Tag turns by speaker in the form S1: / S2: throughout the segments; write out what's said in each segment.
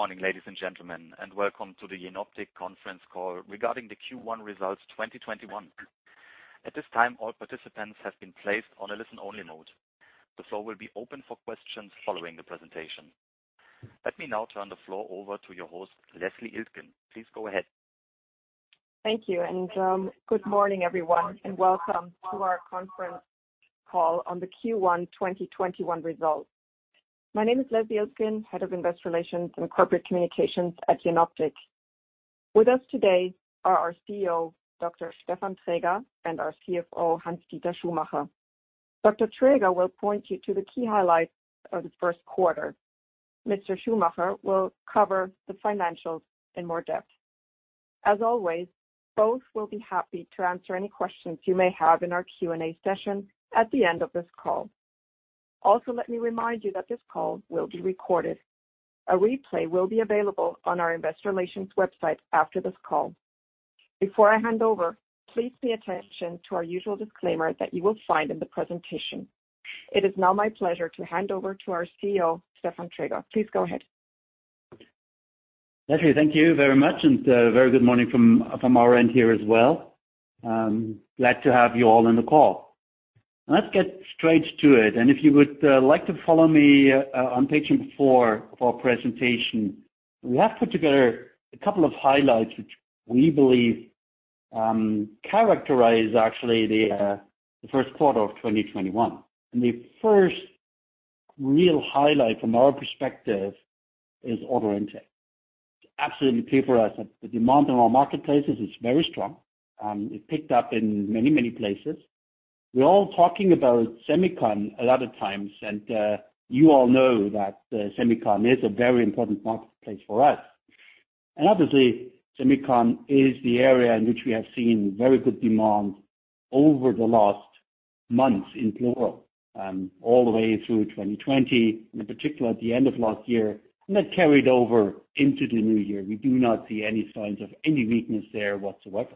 S1: Morning, ladies and gentlemen, welcome to the Jenoptik conference call regarding the Q1 results 2021. At this time, all participants have been placed on a listen-only mode. The floor will be open for questions following the presentation. Let me now turn the floor over to your host, Leslie Iltgen. Please go ahead.
S2: Thank you. Good morning, everyone, and welcome to our conference call on the Q1 2021 results. My name is Leslie Iltgen, Head of Investor Relations and Corporate Communications at Jenoptik. With us today are our CEO, Dr. Stefan Traeger, and our CFO, Hans-Dieter Schumacher. Dr. Traeger will point you to the key highlights of the first quarter. Mr. Schumacher will cover the financials in more depth. As always, both will be happy to answer any questions you may have in our Q&A session at the end of this call. Let me remind you that this call will be recorded. A replay will be available on our investor relations website after this call. Before I hand over, please pay attention to our usual disclaimer that you will find in the presentation. It is now my pleasure to hand over to our CEO, Stefan Traeger. Please go ahead.
S3: Leslie, thank you very much, a very good morning from our end here as well. Glad to have you all on the call. Let's get straight to it. If you would like to follow me on page four of our presentation, we have put together a couple of highlights which we believe characterize actually the first quarter of 2021. The first real highlight from our perspective is order intake. It's absolutely clear for us that the demand in our marketplaces is very strong. It picked up in many places. We're all talking about SEMICON a lot of times, and you all know that SEMICON is a very important marketplace for us. Obviously, SEMICON is the area in which we have seen very good demand over the last months in plural, all the way through 2020, in particular at the end of last year, and that carried over into the new year. We do not see any signs of any weakness there whatsoever.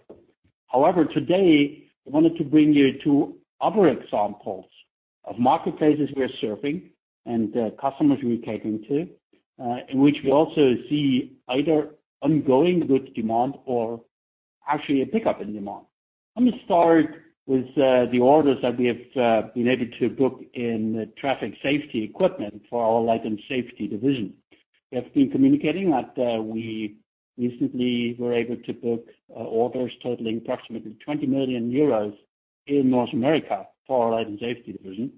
S3: Today, I wanted to bring you two other examples of marketplaces we are serving and customers we are catering to, in which we also see either ongoing good demand or actually a pickup in demand. Let me start with the orders that we have been able to book in the traffic safety equipment for our Light & Safety division. We have been communicating that we recently were able to book orders totaling approximately 20 million euros in North America for our Light & Safety division.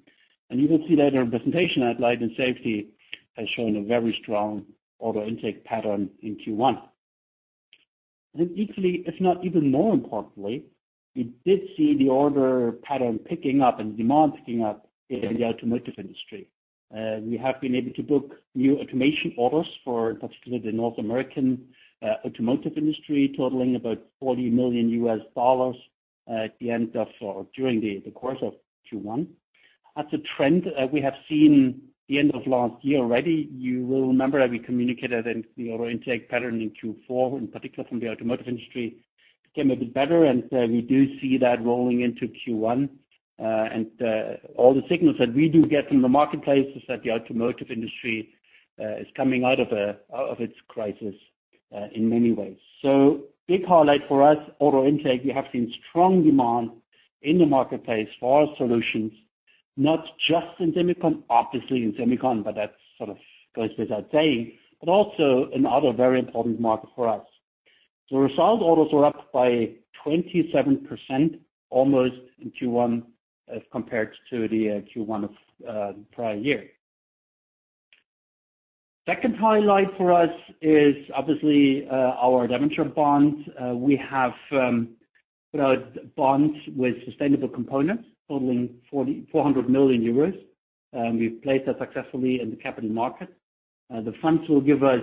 S3: You will see later in the presentation that Light & Safety has shown a very strong order intake pattern in Q1. Equally, if not even more importantly, we did see the order pattern picking up and demand picking up in the automotive industry. We have been able to book new automation orders for particularly the North American automotive industry, totaling about $40 million at the end of/or during the course of Q1. That's a trend we have seen the end of last year already. You will remember that we communicated then the order intake pattern in Q4, in particular from the automotive industry, became a bit better, and we do see that rolling into Q1. All the signals that we do get from the marketplace is that the automotive industry is coming out of its crisis in many ways. Big highlight for us, order intake. We have seen strong demand in the marketplace for our solutions, not just in SEMICON, obviously in SEMICON, but that sort of goes without saying, but also in other very important markets for us. The result, orders were up by 27%, almost in Q1 as compared to the Q1 of the prior year. Second highlight for us is obviously our debenture bonds. We have put out bonds with sustainable components totaling 400 million euros. We've placed that successfully in the capital market. The funds will give us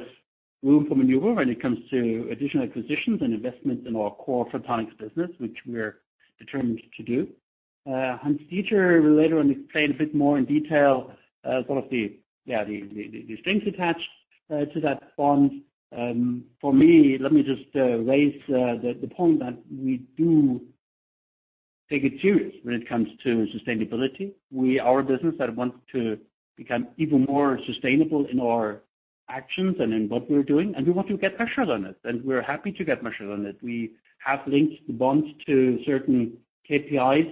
S3: room for maneuver when it comes to additional acquisitions and investments in our core photonics business, which we're determined to do. Hans-Dieter will later on explain a bit more in detail sort of the strengths attached to that bond. For me, let me just raise the point that we do take it serious when it comes to sustainability. We are a business that wants to become even more sustainable in our actions and in what we're doing, and we want to get measured on it, and we're happy to get measured on it. We have linked the bonds to certain KPIs,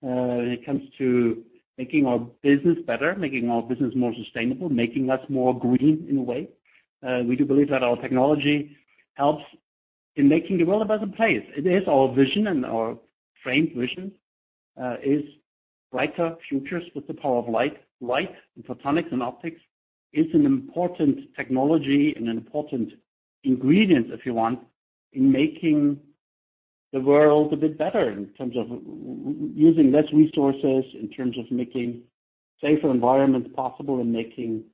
S3: when it comes to making our business better, making our business more sustainable, making us more green in a way. We do believe that our technology helps in making the world a better place. It is our vision and our framed vision is brighter futures with the power of light. Light and photonics and optics is an important technology and an important ingredient, if you want, in making the world a bit better in terms of using less resources, in terms of making safer environments possible and making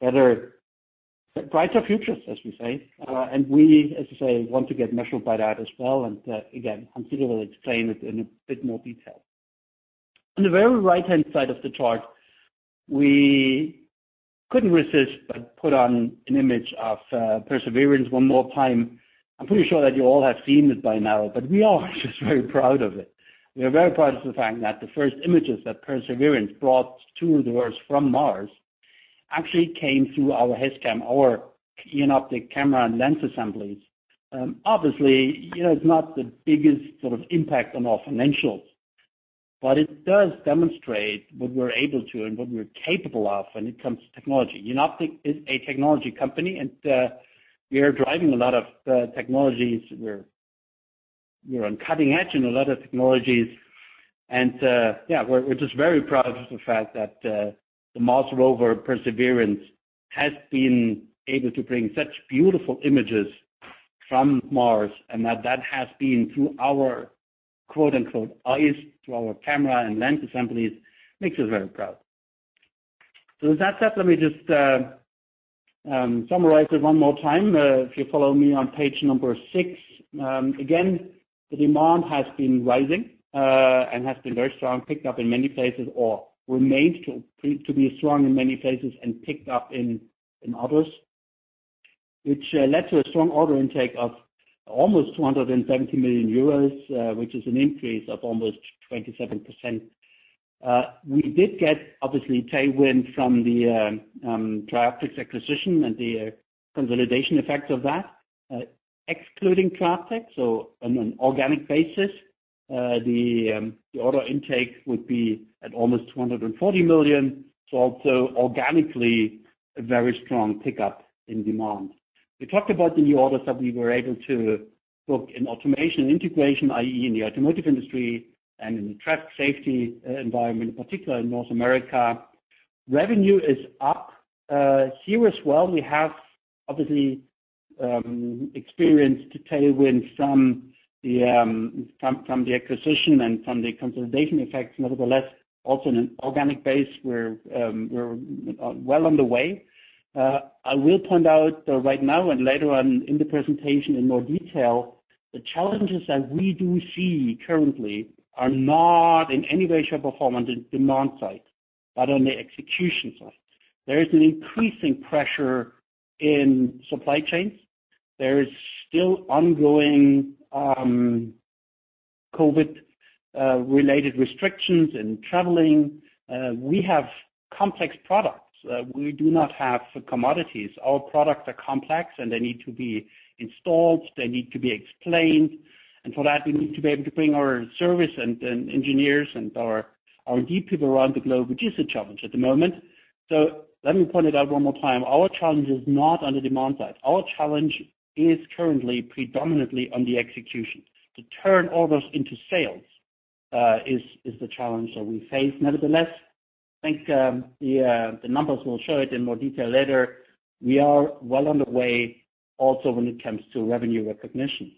S3: better, brighter futures, as we say. We, as I say, want to get measured by that as well. Again, Hans-Dieter will explain it in a bit more detail. On the very right-hand side of the chart, we couldn't resist but put on an image of Perseverance one more time. I'm pretty sure that you all have seen it by now, we are just very proud of it. We are very proud of the fact that the first images that Perseverance brought to the world from Mars, actually came through our HazCam, our Jenoptik camera and lens assemblies. Obviously, it's not the biggest sort of impact on our financials, but it does demonstrate what we're able to and what we're capable of when it comes to technology. Jenoptik is a technology company, and we are driving a lot of technologies. We're on cutting edge in a lot of technologies and we're just very proud of the fact that the Mars Rover Perseverance has been able to bring such beautiful images from Mars, and that has been through our, quote-unquote, "eyes," through our camera and lens assemblies. Makes us very proud. With that said, let me just summarize it one more time. If you follow me on page number six. The demand has been rising, and has been very strong, picked up in many places or remains to be strong in many places and picked up in others, which led to a strong order intake of almost 270 million euros, which is an increase of almost 27%. We did get, obviously, tailwind from the TRIOPTICS acquisition and the consolidation effects of that. Excluding TRIOPTICS, on an organic basis, the order intake would be at almost 240 million. Also organically, a very strong pickup in demand. We talked about the new orders that we were able to book in automation and integration, i.e., in the automotive industry and in the traffic safety environment, in particular in North America. Revenue is up here as well. We have obviously experienced the tailwind from the acquisition and from the consolidation effects. Also in an organic basis, we're well on the way. I will point out right now and later on in the presentation in more detail, the challenges that we do see currently are not in any way, shape, or form on the demand side, but on the execution side. There is an increasing pressure in supply chains. There is still ongoing COVID-related restrictions in traveling. We have complex products. We do not have commodities. Our products are complex, and they need to be installed, they need to be explained, and for that, we need to be able to bring our service and engineers and our deep people around the globe, which is a challenge at the moment. Let me point it out one more time. Our challenge is not on the demand side. Our challenge is currently predominantly on the execution. To turn orders into sales, is the challenge that we face. Nevertheless, I think the numbers will show it in more detail later. We are well on the way also when it comes to revenue recognition.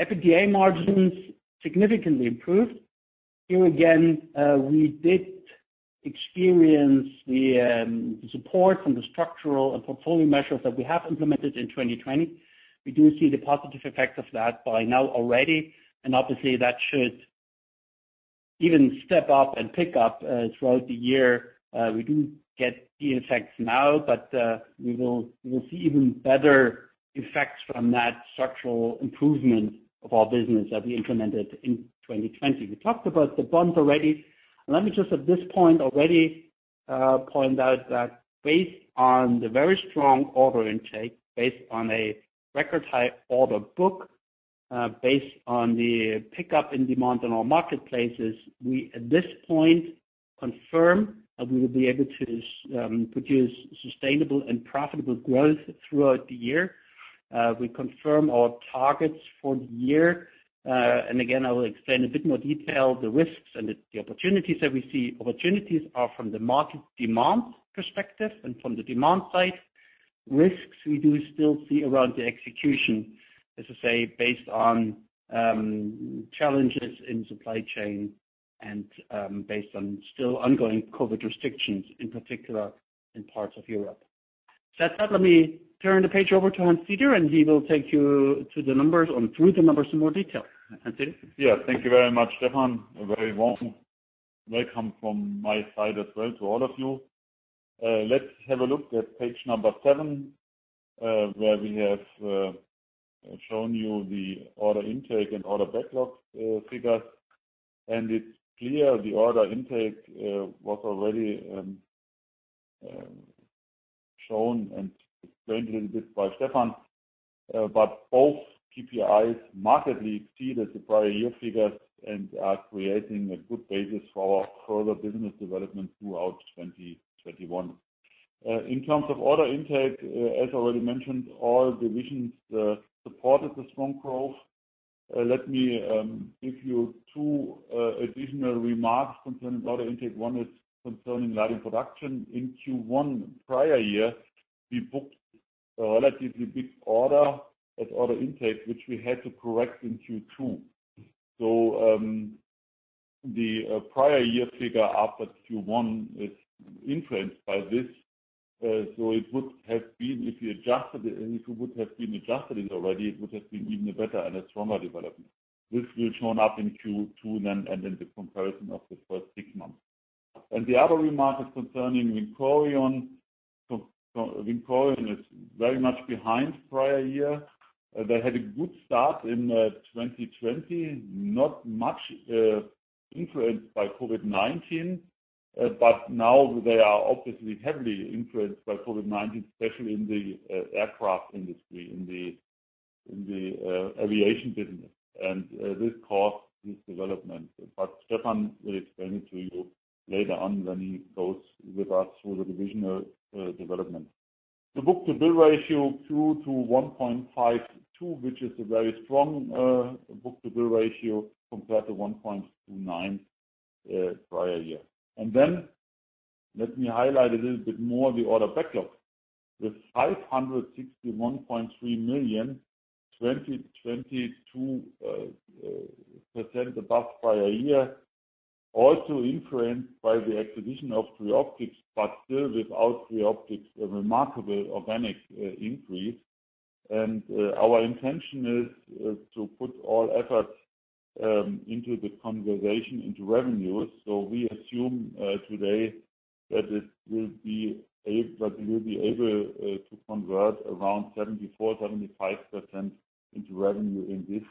S3: EBITDA margins significantly improved. Here again, we did experience the support from the structural and portfolio measures that we have implemented in 2020. We do see the positive effects of that by now already, and obviously, that should even step up and pick up throughout the year. We do get the effects now, but we will see even better effects from that structural improvement of our business that we implemented in 2020. We talked about the bonds already. Let me just at this point already point out that based on the very strong order intake, based on a record high order book, based on the pickup in demand in our marketplaces, we at this point confirm that we will be able to produce sustainable and profitable growth throughout the year. We confirm our targets for the year. Again, I will explain a bit more detail, the risks and the opportunities that we see. Opportunities are from the market demand perspective and from the demand side. Risks we do still see around the execution, as I say, based on challenges in supply chain and based on still ongoing COVID restrictions, in particular in parts of Europe. With that said, let me turn the page over to Hans-Dieter, and he will take you to the numbers and through the numbers in more detail. Hans-Dieter.
S4: Thank you very much, Stefan. A very warm welcome from my side as well to all of you. Let's have a look at page number seven, where we have shown you the order intake and order backlog figures. It's clear the order intake was already shown and explained a little bit by Stefan. Both KPIs markedly exceeded the prior year figures and are creating a good basis for further business development throughout 2021. In terms of order intake, as already mentioned, all divisions supported the strong growth. Let me give you two additional remarks concerning order intake. One is concerning Light & Production. In Q1 prior year, we booked a relatively big order at order intake, which we had to correct in Q2. The prior year figure after Q1 is influenced by this. It would have been, if we would have adjusted it already, it would have been even a better and a stronger development, which will shown up in Q2 then, and in the comparison of the first six months. The other remark is concerning VINCORION. VINCORION is very much behind prior year. They had a good start in 2020, not much influenced by COVID-19. Now they are obviously heavily influenced by COVID-19, especially in the aircraft industry, in the aviation business. This caused this development. Stefan will explain it to you later on when he goes with us through the divisional development. The book-to-bill ratio grew to 1.52, which is a very strong book-to-bill ratio compared to 1.29 prior year. Let me highlight a little bit more the order backlog. With 561.3 million, 20, 22% above prior year, also influenced by the acquisition of TRIOPTICS, but still without TRIOPTICS, a remarkable organic increase. Our intention is to put all efforts into the conversation into revenues. We assume today that we'll be able to convert around 74%, 75% into revenue in this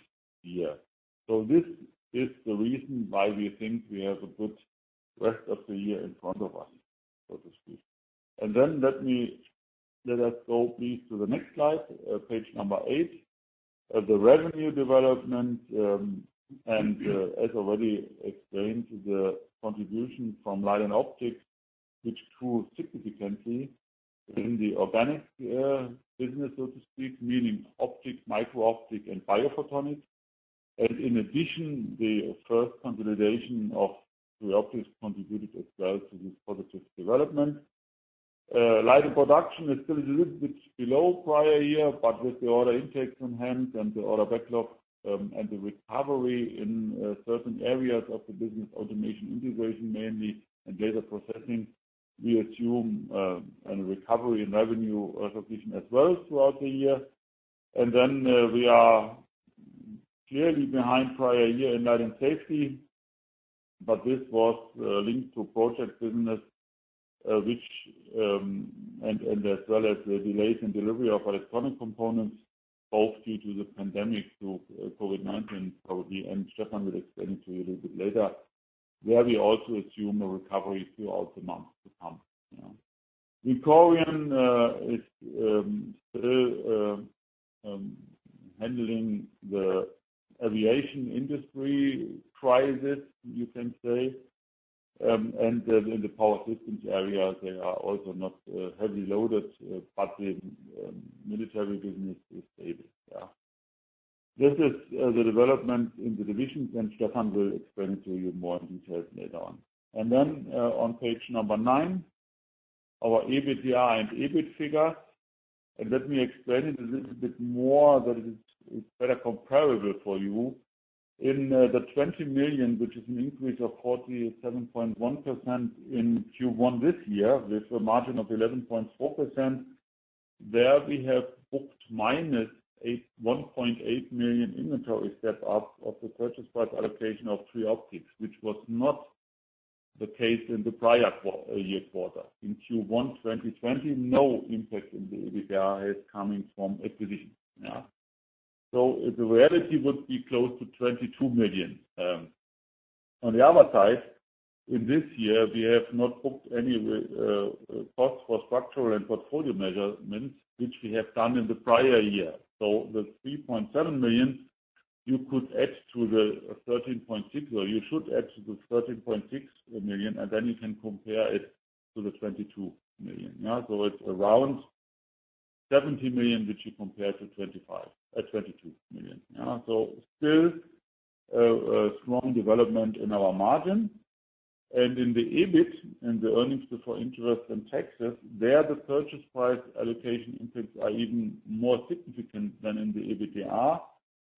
S4: year. This is the reason why we think we have a good rest of the year in front of us, so to speak. Let us go please to the next slide, page number eight. The revenue development, as already explained, the contribution from Light & Optics, which grew significantly in the organic business, so to speak, meaning optics, micro-optics and biophotonics. In addition, the first consolidation of TRIOPTICS contributed as well to this positive development. Light & Production is still a little bit below prior year, but with the order intake on hand and the order backlog, and the recovery in certain areas of the business, automation integration mainly and data processing, we assume a recovery in revenue acquisition as well throughout the year. We are clearly behind prior year in Light & Safety, but this was linked to project business, as well as the delays in delivery of electronic components, both due to the pandemic, to COVID-19 probably, and Stefan will explain it to you a little bit later. There we also assume a recovery throughout the months to come. VINCORION is still handling the aviation industry crisis, you can say. In the power systems area, they are also not heavily loaded. The military business is stable. This is the development in the divisions. Stefan will explain it to you more in detail later on. On page nine, our EBITDA and EBIT figure. Let me explain it a little bit more that it is better comparable for you. In the 20 million, which is an increase of 47.1% in Q1 this year, with a margin of 11.4%, there we have booked -1.8 million inventory step-up of the purchase price allocation of TRIOPTICS, which was not the case in the prior year quarter. In Q1 2020, no impact in the EBITDA is coming from acquisition. The reality would be close to 22 million. On the other side, in this year, we have not booked any cost for structural and portfolio measurements, which we have done in the prior year. The 3.7 million, you should add to the 13.6 million, and then you can compare it to the 22 million. It's around 17 million, which you compare to 22 million. Still a strong development in our margin. And in the EBIT, in the earnings before interest and taxes, there the purchase price allocation impacts are even more significant than in the EBITDA.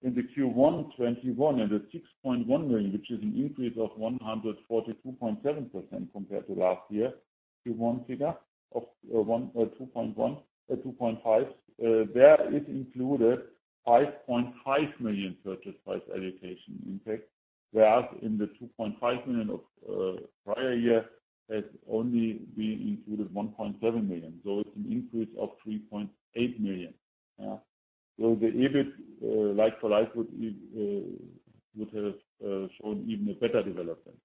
S4: In the Q1 2021 and the 6.1 million, which is an increase of 142.7% compared to last year Q1 figure of 2.5, there it included 5.5 million purchase price allocation impact, whereas in the 2.5 million of prior year has only been included 1.7 million. It's an increase of 3.8 million. The EBIT like-for-like would have shown even a better development.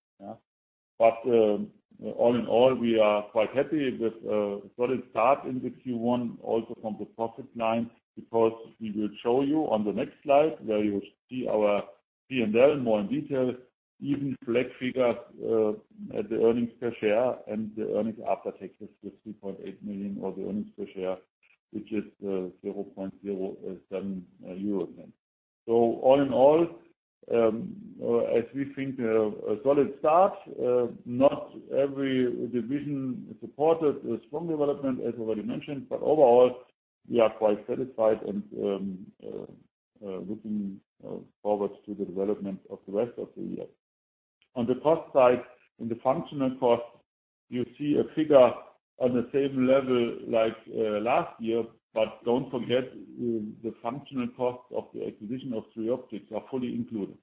S4: All in all, we are quite happy with a solid start in the Q1, also from the profit line, because we will show you on the next slide where you see our P&L more in detail, even black figures at the earnings per share and the earnings after taxes with 3.8 million or the earnings per share, which is 0.07 euro. All in all, as we think a solid start, not every division supported a strong development, as already mentioned. Overall, we are quite satisfied and looking forward to the development of the rest of the year. On the cost side, in the functional cost, you see a figure on the same level like last year. Don't forget, the functional costs of the acquisition of TRIOPTICS are fully included.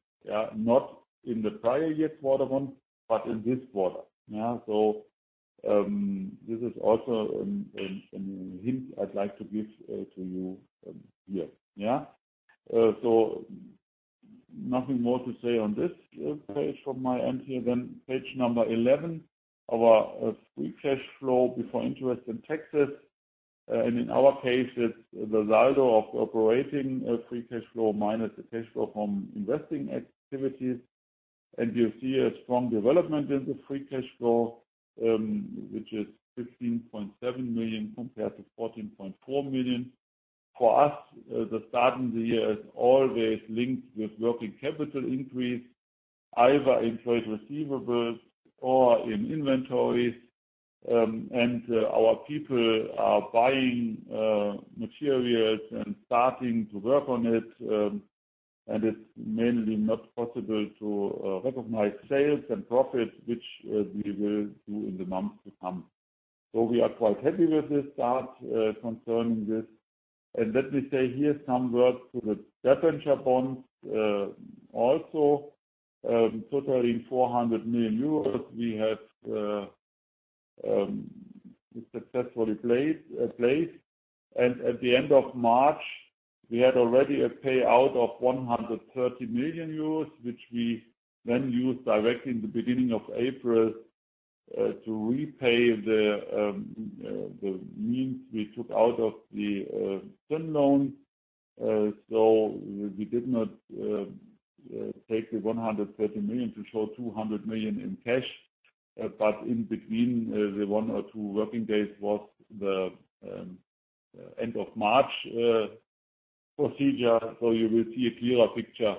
S4: Not in the prior year quarter one, but in this quarter. This is also a hint I'd like to give to you here. Nothing more to say on this page from my end here. Page number 11, our free cash flow before interest in taxes. In our case, it's the result of operating free cash flow minus the cash flow from investing activities. You see a strong development in the free cash flow, which is 15.7 million compared to 14.4 million. For us, the start in the year is always linked with working capital increase, either in trade receivables or in inventories. Our people are buying materials and starting to work on it, and it's mainly not possible to recognize sales and profit, which we will do in the months to come. We are quite happy with the start concerning this. Let me say here some words to the debenture bonds. Totaling 400 million euros we have successfully placed. At the end of March, we had already a payout of 130 million euros, which we then used directly in the beginning of April, to repay the means we took out of the term loan. We did not take the 130 million to show 200 million in cash. In between the one or two working days was the end of March procedure. You will see a clearer picture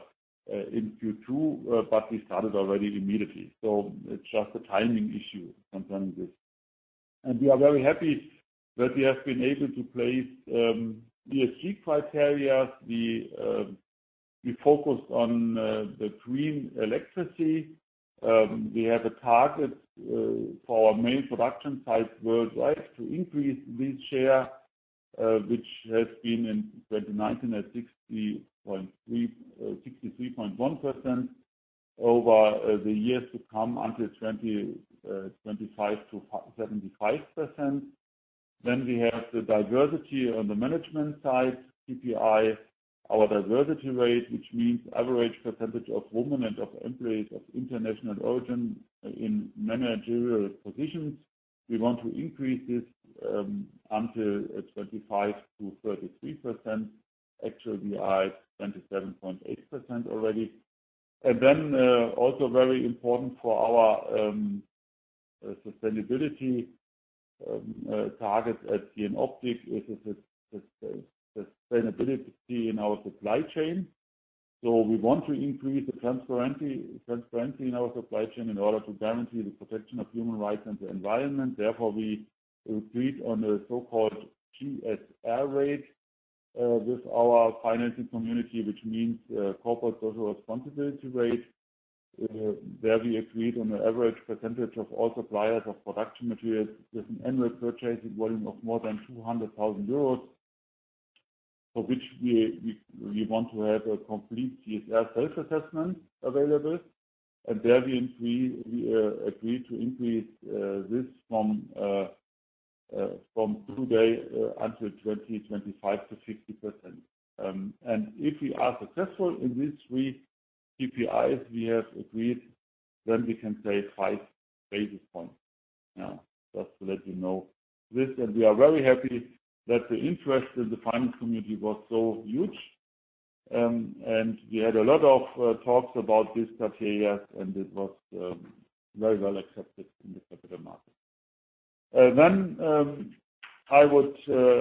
S4: in Q2, but we started already immediately. It's just a timing issue concerning this. We are very happy that we have been able to place the ESG criteria. We focused on the green electricity. We have a target for our main production sites worldwide to increase this share, which has been in 2019 at 63.1%, over the years to come until 2025 to 75%. We have the diversity on the management side, KPI. Our diversity rate, which means average percentage of women and of employees of international origin in managerial positions. We want to increase this until 25%-33%. We are at 27.8% already. Also very important for our sustainability targets at Jenoptik is the sustainability in our supply chain. We want to increase the transparency in our supply chain in order to guarantee the protection of human rights and the environment. Therefore, we agreed on a so-called CSR rate with our financing community, which means Corporate Social Responsibility rate, where we agreed on the average percentage of all suppliers of production materials with an annual purchasing volume of more than 200,000 euros, for which we want to have a complete CSR self-assessment available. There we agreed to increase this from today until 2025 to 50%. If we are successful in these three KPIs we have agreed, then we can save five basis points. Just to let you know this. We are very happy that the interest in the finance community was so huge. We had a lot of talks about these criteria, and it was very well accepted in the capital market. I would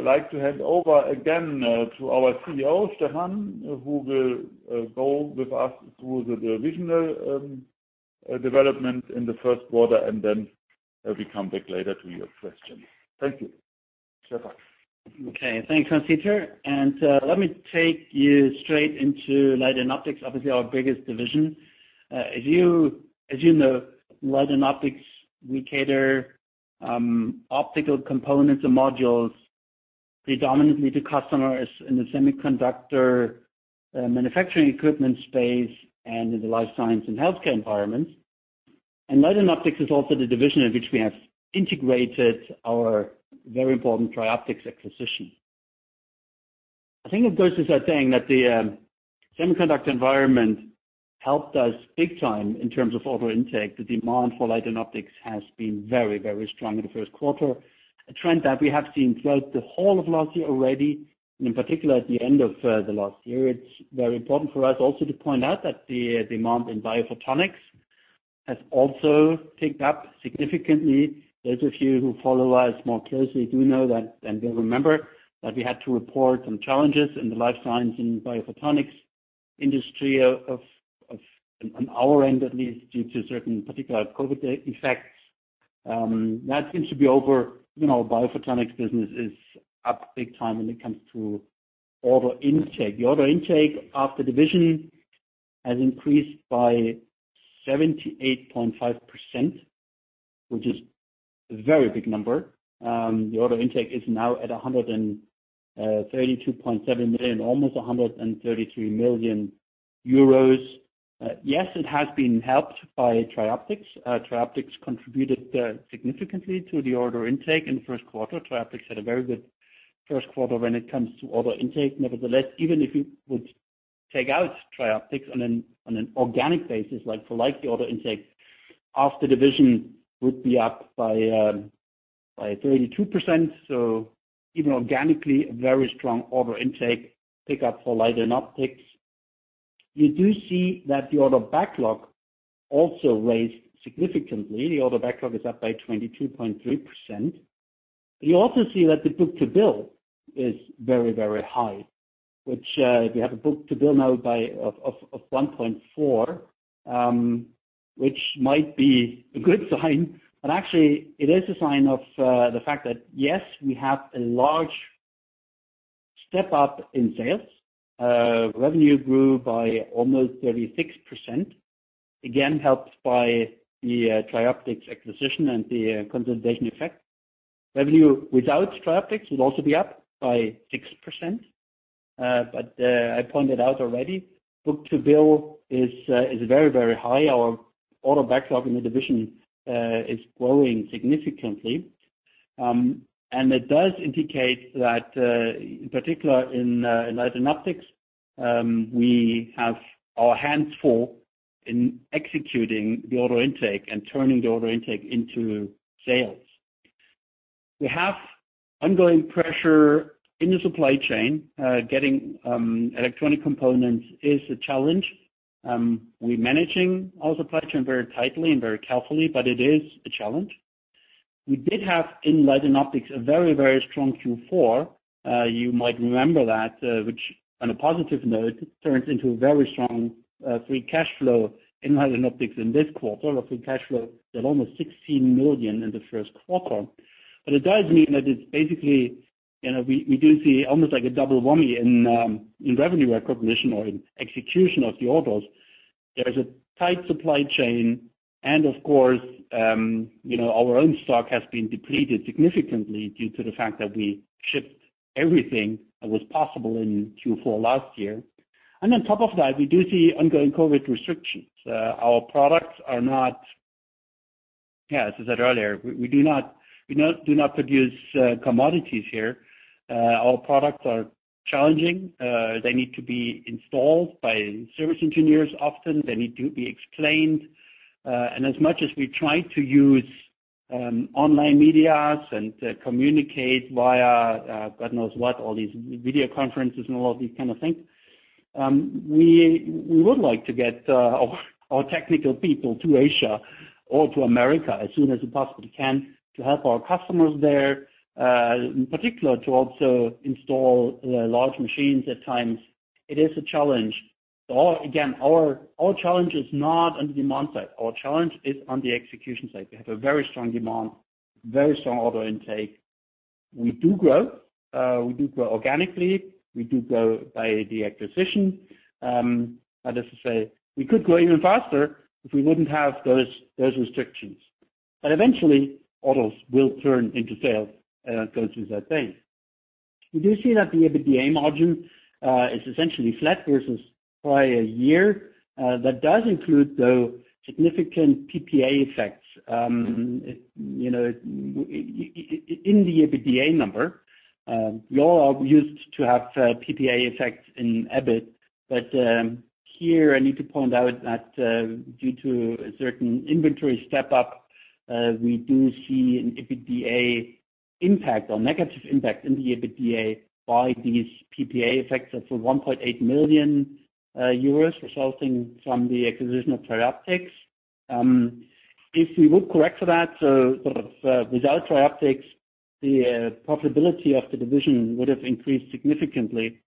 S4: like to hand over again to our CEO, Stefan, who will go with us through the divisional development in the first quarter, and then we come back later to your questions. Thank you. Stefan.
S3: Okay. Thanks, Hans-Dieter. Let me take you straight into Light & Optics, obviously our biggest division. As you know, Light & Optics, we cater optical components and modules predominantly to customers in the semiconductor manufacturing equipment space and in the life science and healthcare environments. Light & Optics is also the division in which we have integrated our very important TRIOPTICS acquisition. I think it goes without saying that the semiconductor environment helped us big time in terms of order intake. The demand for Light & Optics has been very strong in the first quarter, a trend that we have seen throughout the whole of last year already, in particular at the end of the last year. It's very important for us also to point out that the demand in biophotonics has also picked up significantly. Those of you who follow us more closely do know that and will remember that we had to report some challenges in the life science and biophotonics industry of, on our end at least, due to certain particular COVID effects. That seems to be over. Biophotonics business is up big time when it comes to order intake. The order intake of the division has increased by 78.5%, which is a very big number. The order intake is now at 132.7 million, almost 133 million euros. Yes, it has been helped by TRIOPTICS. TRIOPTICS contributed significantly to the order intake in the first quarter. TRIOPTICS had a very good first quarter when it comes to order intake. Nevertheless, even if you would take out TRIOPTICS on an organic basis, for light, the order intake of the division would be up by 32%. Even organically, a very strong order intake pick up for Light & Optics. You do see that the order backlog also raised significantly. The order backlog is up by 22.3%. You also see that the book-to-bill is very high. Which, if you have a book-to-bill now by of 1.4, which might be a good sign, but actually it is a sign of the fact that, yes, we have a large step up in sales. Revenue grew by almost 36%, again, helped by the TRIOPTICS acquisition and the consolidation effect. Revenue without TRIOPTICS would also be up by 6%. I pointed out already, book-to-bill is very high. Our order backlog in the division is growing significantly. It does indicate that, in particular in Light & Optics, we have our hands full in executing the order intake and turning the order intake into sales. We have ongoing pressure in the supply chain. Getting electronic components is a challenge. We're managing our supply chain very tightly and very carefully, but it is a challenge. We did have in Light & Optics, a very, very strong Q4. You might remember that, which on a positive note, turns into a very strong free cash flow in Light & Optics in this quarter. Our free cash flow at almost 16 million in the first quarter. It does mean that it's basically, we do see almost like a double whammy in revenue recognition or in execution of the orders. There is a tight supply chain and of course, our own stock has been depleted significantly due to the fact that we shipped everything that was possible in Q4 last year. On top of that, we do see ongoing COVID restrictions. Our products are not, as I said earlier, we do not produce commodities here. Our products are challenging. They need to be installed by service engineers often, they need to be explained. As much as we try to use online medias and communicate via God knows what, all these video conferences and all these kind of things, we would like to get our technical people to Asia or to America as soon as we possibly can to help our customers there. In particular to also install large machines at times. It is a challenge. Again, our challenge is not on the demand side. Our challenge is on the execution side. We have a very strong demand, very strong order intake. We do grow. We do grow organically. We do grow by the acquisition. As I say, we could grow even faster if we wouldn't have those restrictions. Eventually, orders will turn into sales, go through that phase. We do see that the EBITDA margin is essentially flat versus prior year. That does include, though, significant PPA effects in the EBITDA number. You all are used to have PPA effects in EBIT, but here I need to point out that due to a certain inventory step-up, we do see an EBITDA impact or negative impact in the EBITDA by these PPA effects of 1.8 million euros resulting from the acquisition of TRIOPTICS. If we would correct for that, sort of, without TRIOPTICS, the profitability of the division would have increased significantly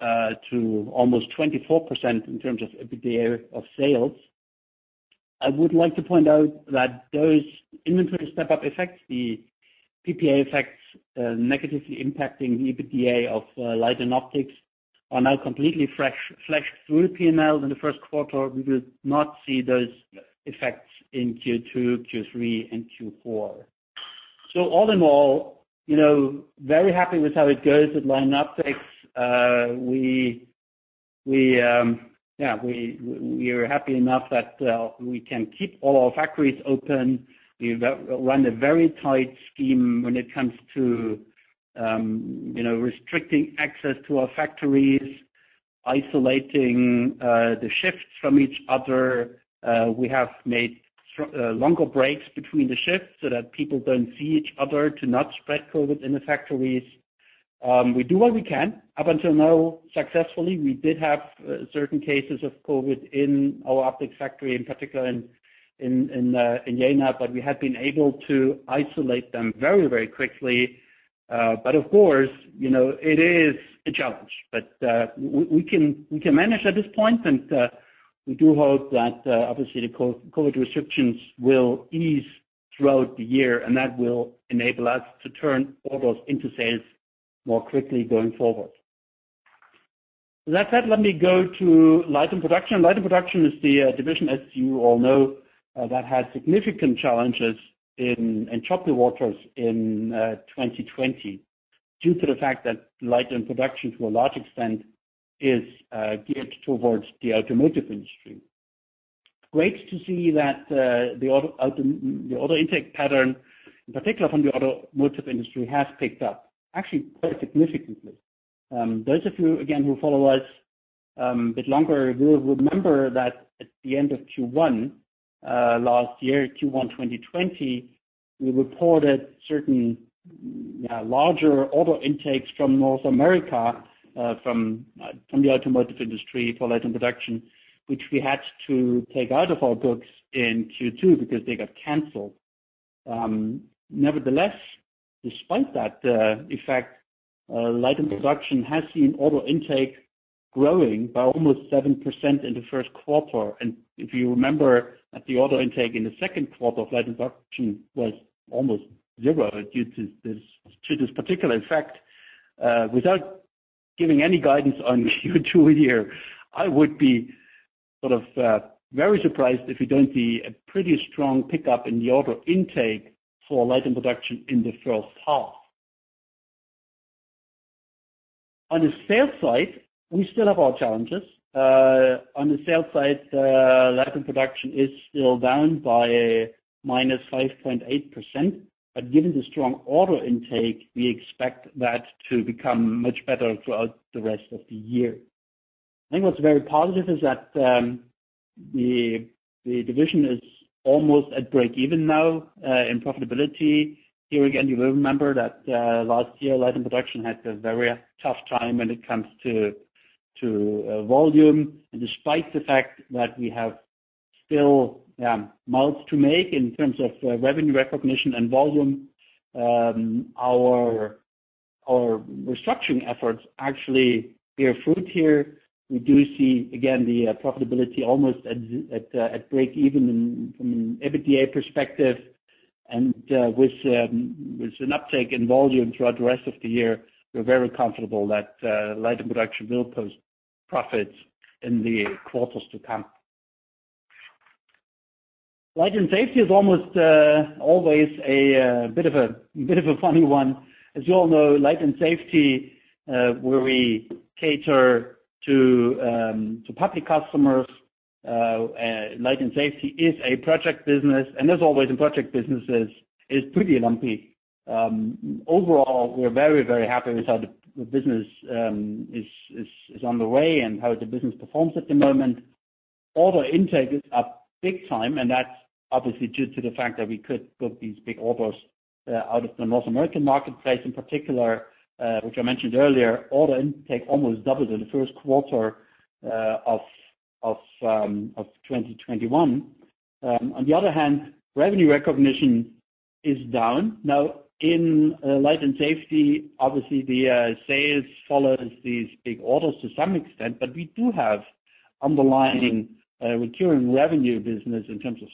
S3: to almost 24% in terms of EBITDA of sales. I would like to point out that those inventory step-up effects, the PPA effects, negatively impacting the EBITDA of Light & Optics, are now completely flushed through P&L in the first quarter. We will not see those effects in Q2, Q3, and Q4. All in all, very happy with how it goes at Jenoptik. We are happy enough that we can keep all our factories open. We run a very tight scheme when it comes to restricting access to our factories, isolating the shifts from each other. We have made longer breaks between the shifts so that people don't see each other, to not spread COVID in the factories. We do what we can. Up until now, successfully, we did have certain cases of COVID in our optics factory, in particular in Jena, we have been able to isolate them very, very quickly. Of course, it is a challenge. We can manage at this point, and we do hope that obviously the COVID restrictions will ease throughout the year, and that will enable us to turn orders into sales more quickly going forward. That said, let me go to Light & Production. Light & Production is the division, as you all know, that had significant challenges in choppy waters in 2020 due to the fact that Light & Production, to a large extent, is geared towards the automotive industry. Great to see that the order intake pattern, in particular from the automotive industry, has picked up, actually quite significantly. Those of you, again, who follow us a bit longer will remember that at the end of Q1 last year, Q1 2020, we reported certain larger order intakes from North America, from the automotive industry for Light & Production, which we had to take out of our books in Q2 because they got canceled. Nevertheless, despite that effect, Light & Production has seen order intake growing by almost 7% in the first quarter. If you remember that the order intake in the second quarter of Light & Production was almost zero due to this particular effect. Without giving any guidance on Q2 here, I would be very surprised if we don't see a pretty strong pickup in the order intake for Light & Production in the first half. On the sales side, we still have our challenges. On the sales side, Light & Production is still down by -5.8%, but given the strong order intake, we expect that to become much better throughout the rest of the year. I think what's very positive is that the division is almost at breakeven now in profitability. Here again, you will remember that last year, Light & Production had a very tough time when it comes to volume. Despite the fact that we have still miles to make in terms of revenue recognition and volume, our restructuring efforts actually bear fruit here. We do see, again, the profitability almost at breakeven from an EBITDA perspective. With an uptake in volume throughout the rest of the year, we're very comfortable that Light & Production will post profits in the quarters to come. Light & Safety is almost always a bit of a funny one. As you all know, Light & Safety, where we cater to public customers, Light & Safety is a project business, as always, in project businesses, it is pretty lumpy. Overall, we're very, very happy with how the business is on the way and how the business performs at the moment. Order intake is up big time, that's obviously due to the fact that we could book these big orders out of the North American marketplace in particular, which I mentioned earlier. Order intake almost doubled in the first quarter of 2021. On the other hand, revenue recognition is down. Now, in Light & Safety, obviously the sales follows these big orders to some extent, we do have underlying recurring revenue business in terms of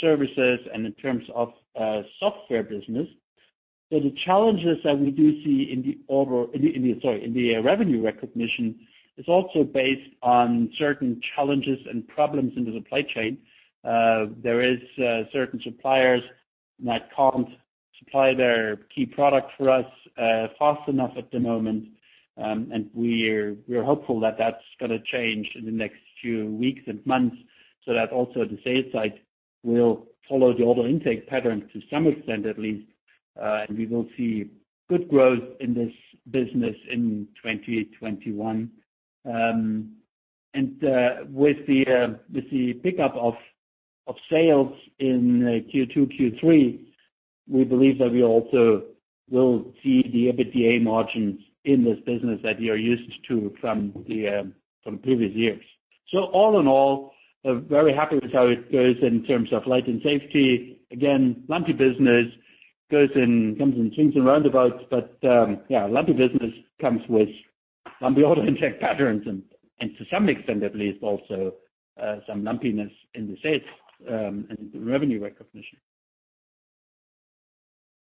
S3: services and in terms of software business. The challenges that we do see in the revenue recognition is also based on certain challenges and problems in the supply chain. There is certain suppliers that can't supply their key product for us fast enough at the moment, and we're hopeful that that's going to change in the next few weeks and months, so that also the sales side will follow the order intake pattern to some extent at least, and we will see good growth in this business in 2021. With the pickup of sales in Q2, Q3, we believe that we also will see the EBITDA margins in this business that you are used to from previous years. All in all, very happy with how it goes in terms of Light & Safety. Again, lumpy business. Comes in swings and roundabouts. Lumpy business comes with lumpy order intake patterns and to some extent, at least, also some lumpiness in the sales and the revenue recognition.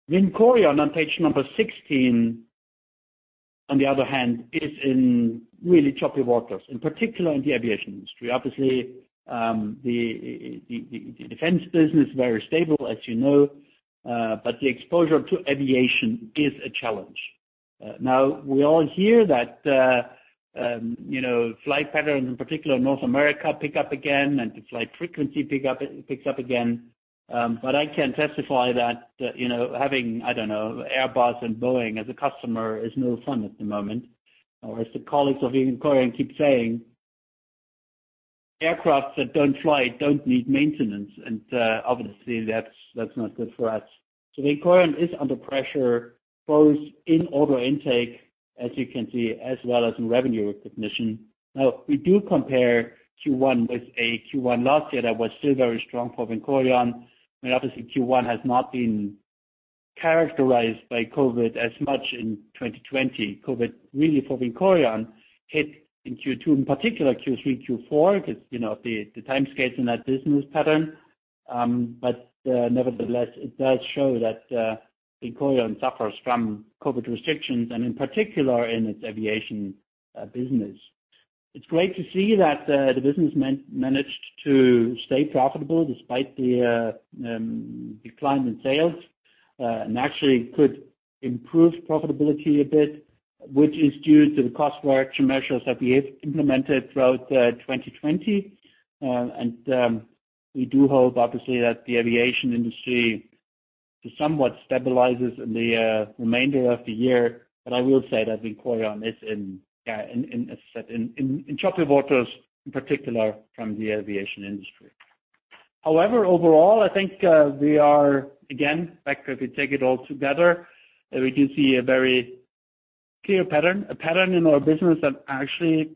S3: VINCORION on page number 16, on the other hand, is in really choppy waters, in particular in the aviation industry. Obviously, the defense business, very stable, as you know, but the exposure to aviation is a challenge. Now, we all hear that flight patterns, in particular North America, pick up again, and the flight frequency picks up again. I can testify that having Airbus and Boeing as a customer is no fun at the moment. As the colleagues of VINCORION keep saying, "Aircrafts that don't fly don't need maintenance." Obviously, that's not good for us. VINCORION is under pressure, both in order intake, as you can see, as well as in revenue recognition. We do compare Q1 with a Q1 last year that was still very strong for VINCORION. Q1 has not been characterized by COVID as much in 2020. COVID really for VINCORION hit in Q2, in particular Q3, Q4, because of the timescales in that business pattern. Nevertheless, it does show that VINCORION suffers from COVID restrictions and in particular in its aviation business. It's great to see that the business managed to stay profitable despite the decline in sales, and actually could improve profitability a bit, which is due to the cost reduction measures that we have implemented throughout 2020. We do hope, obviously, that the aviation industry somewhat stabilizes in the remainder of the year. I will say that VINCORION is in choppy waters, in particular from the aviation industry. However, overall, I think we are, again, back if you take it all together, we do see a very clear pattern, a pattern in our business that actually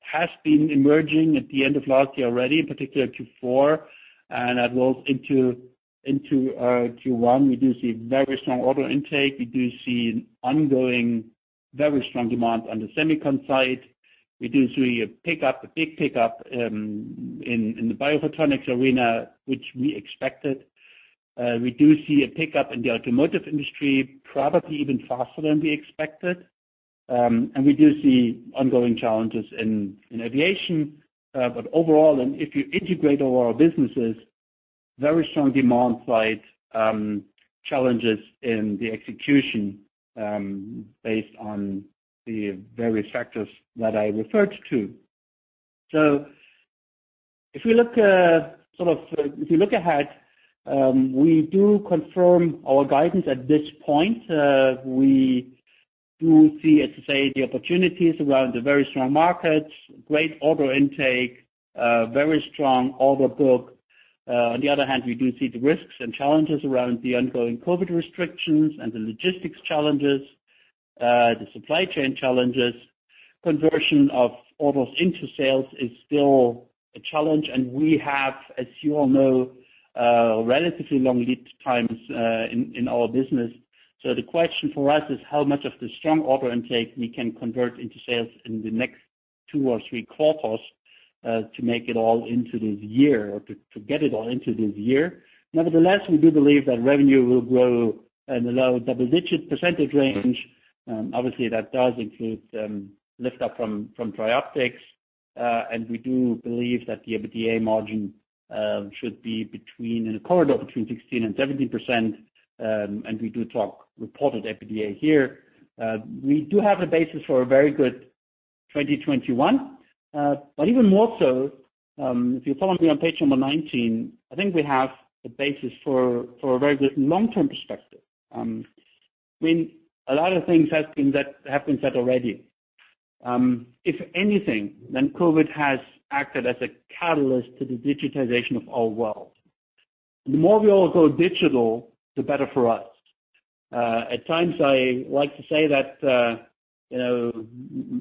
S3: has been emerging at the end of last year already, in particular Q4 and as well into Q1. We do see very strong order intake. We do see an ongoing very strong demand on the SEMICON side. We do see a big pickup in the biophotonics arena, which we expected. We do see a pickup in the automotive industry, probably even faster than we expected. We do see ongoing challenges in aviation. Overall, and if you integrate all our businesses, very strong demand side challenges in the execution based on the various factors that I referred to. If you look ahead, we do confirm our guidance at this point. We do see, as I say, the opportunities around the very strong markets, great order intake, very strong order book. On the other hand, we do see the risks and challenges around the ongoing COVID restrictions and the logistics challenges, the supply chain challenges. Conversion of orders into sales is still a challenge, and we have, as you all know, relatively long lead times in our business. The question for us is how much of the strong order intake we can convert into sales in the next two or three quarters to make it all into this year or to get it all into this year. Nevertheless, we do believe that revenue will grow in the low double-digit percentage range. Obviously, that does include lift up from TRIOPTICS. We do believe that the EBITDA margin should be in a corridor between 16% and 17%, and we do talk reported EBITDA here. We do have the basis for a very good 2021. Even more so, if you follow me on page 19, I think we have the basis for a very good long-term perspective. A lot of things have been said already. If anything, then COVID has acted as a catalyst to the digitization of our world. The more we all go digital, the better for us. At times, I like to say that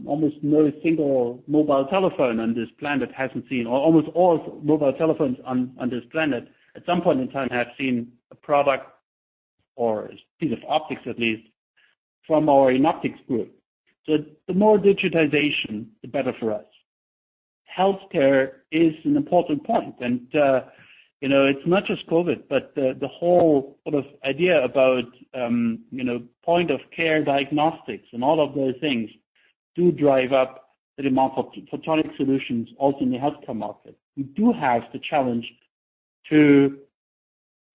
S3: almost no single mobile telephone on this planet hasn't seen, or almost all mobile telephones on this planet, at some point in time, have seen a product or a piece of optics, at least, from our Jenoptik group. The more digitization, the better for us. Healthcare is an important point. It's not just COVID, but the whole idea about point-of-care diagnostics and all of those things do drive up the demand for photonic solutions also in the healthcare market. We do have the challenge to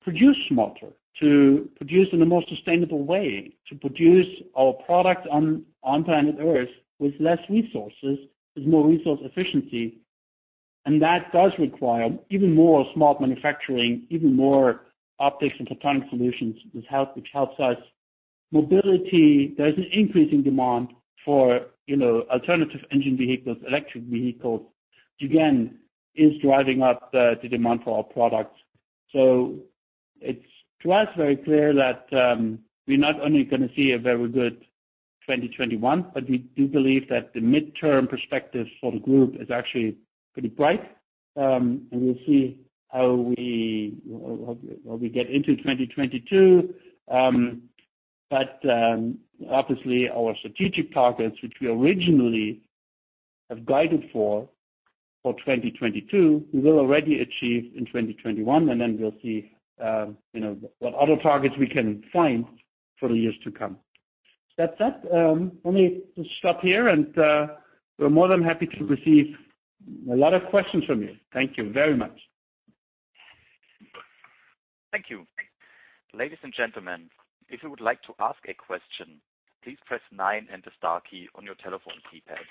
S3: produce smarter, to produce in a more sustainable way, to produce our product on planet Earth with less resources, with more resource efficiency. That does require even more smart manufacturing, even more optics and photonic solutions, which helps us. Mobility. There's an increasing demand for alternative engine vehicles, electric vehicles, which again is driving up the demand for our products. It's to us very clear that we're not only going to see a very good 2021, but we do believe that the midterm perspective for the group is actually pretty bright. We'll see how we get into 2022. Obviously our strategic targets, which we originally have guided for 2022, we will already achieve in 2021, and then we'll see what other targets we can find for the years to come. That said, let me stop here and we're more than happy to receive a lot of questions from you. Thank you very much.
S1: Thank you. Ladies and gentlemen, if you would like to ask a question, please press nine and the star key on your telephone keypad.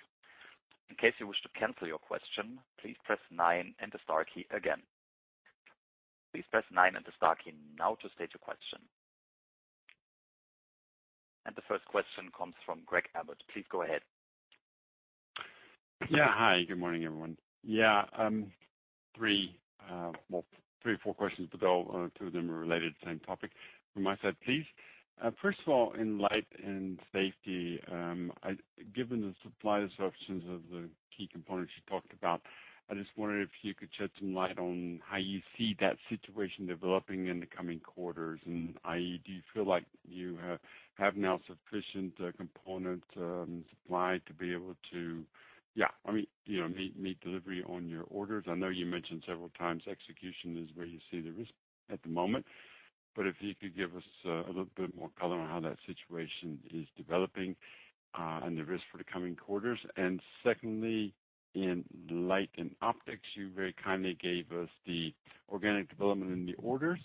S1: In case you wish to cancel your question, please press nine and the star key again. Please press nine and the star key now to state your question. The first question comes from Craig Abbott. Please go ahead.
S5: Hi, good morning, everyone. Three or four questions. Two of them are related to the same topic. From my side, please. First of all, in Light & Safety, given the supply disruptions of the key components you talked about, I just wondered if you could shed some light on how you see that situation developing in the coming quarters, i.e., do you feel like you have now sufficient component supply to be able to meet delivery on your orders? I know you mentioned several times execution is where you see the risk at the moment. If you could give us a little bit more color on how that situation is developing, and the risk for the coming quarters. Secondly, in Light & Optics, you very kindly gave us the organic development in the orders.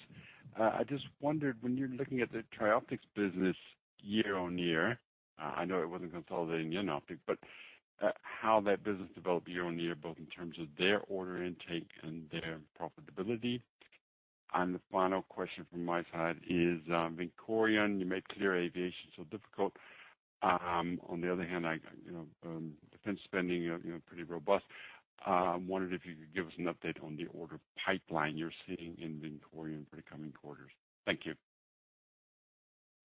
S5: I just wondered, when you're looking at the TRIOPTICS business year-on-year, I know it wasn't consolidating Jenoptik, but how that business developed year-on-year, both in terms of their order intake and their profitability. The final question from my side is, VINCORION, you made clear aviation is so difficult. On the other hand, defense spending, pretty robust. I wondered if you could give us an update on the order pipeline you're seeing in VINCORION for the coming quarters. Thank you.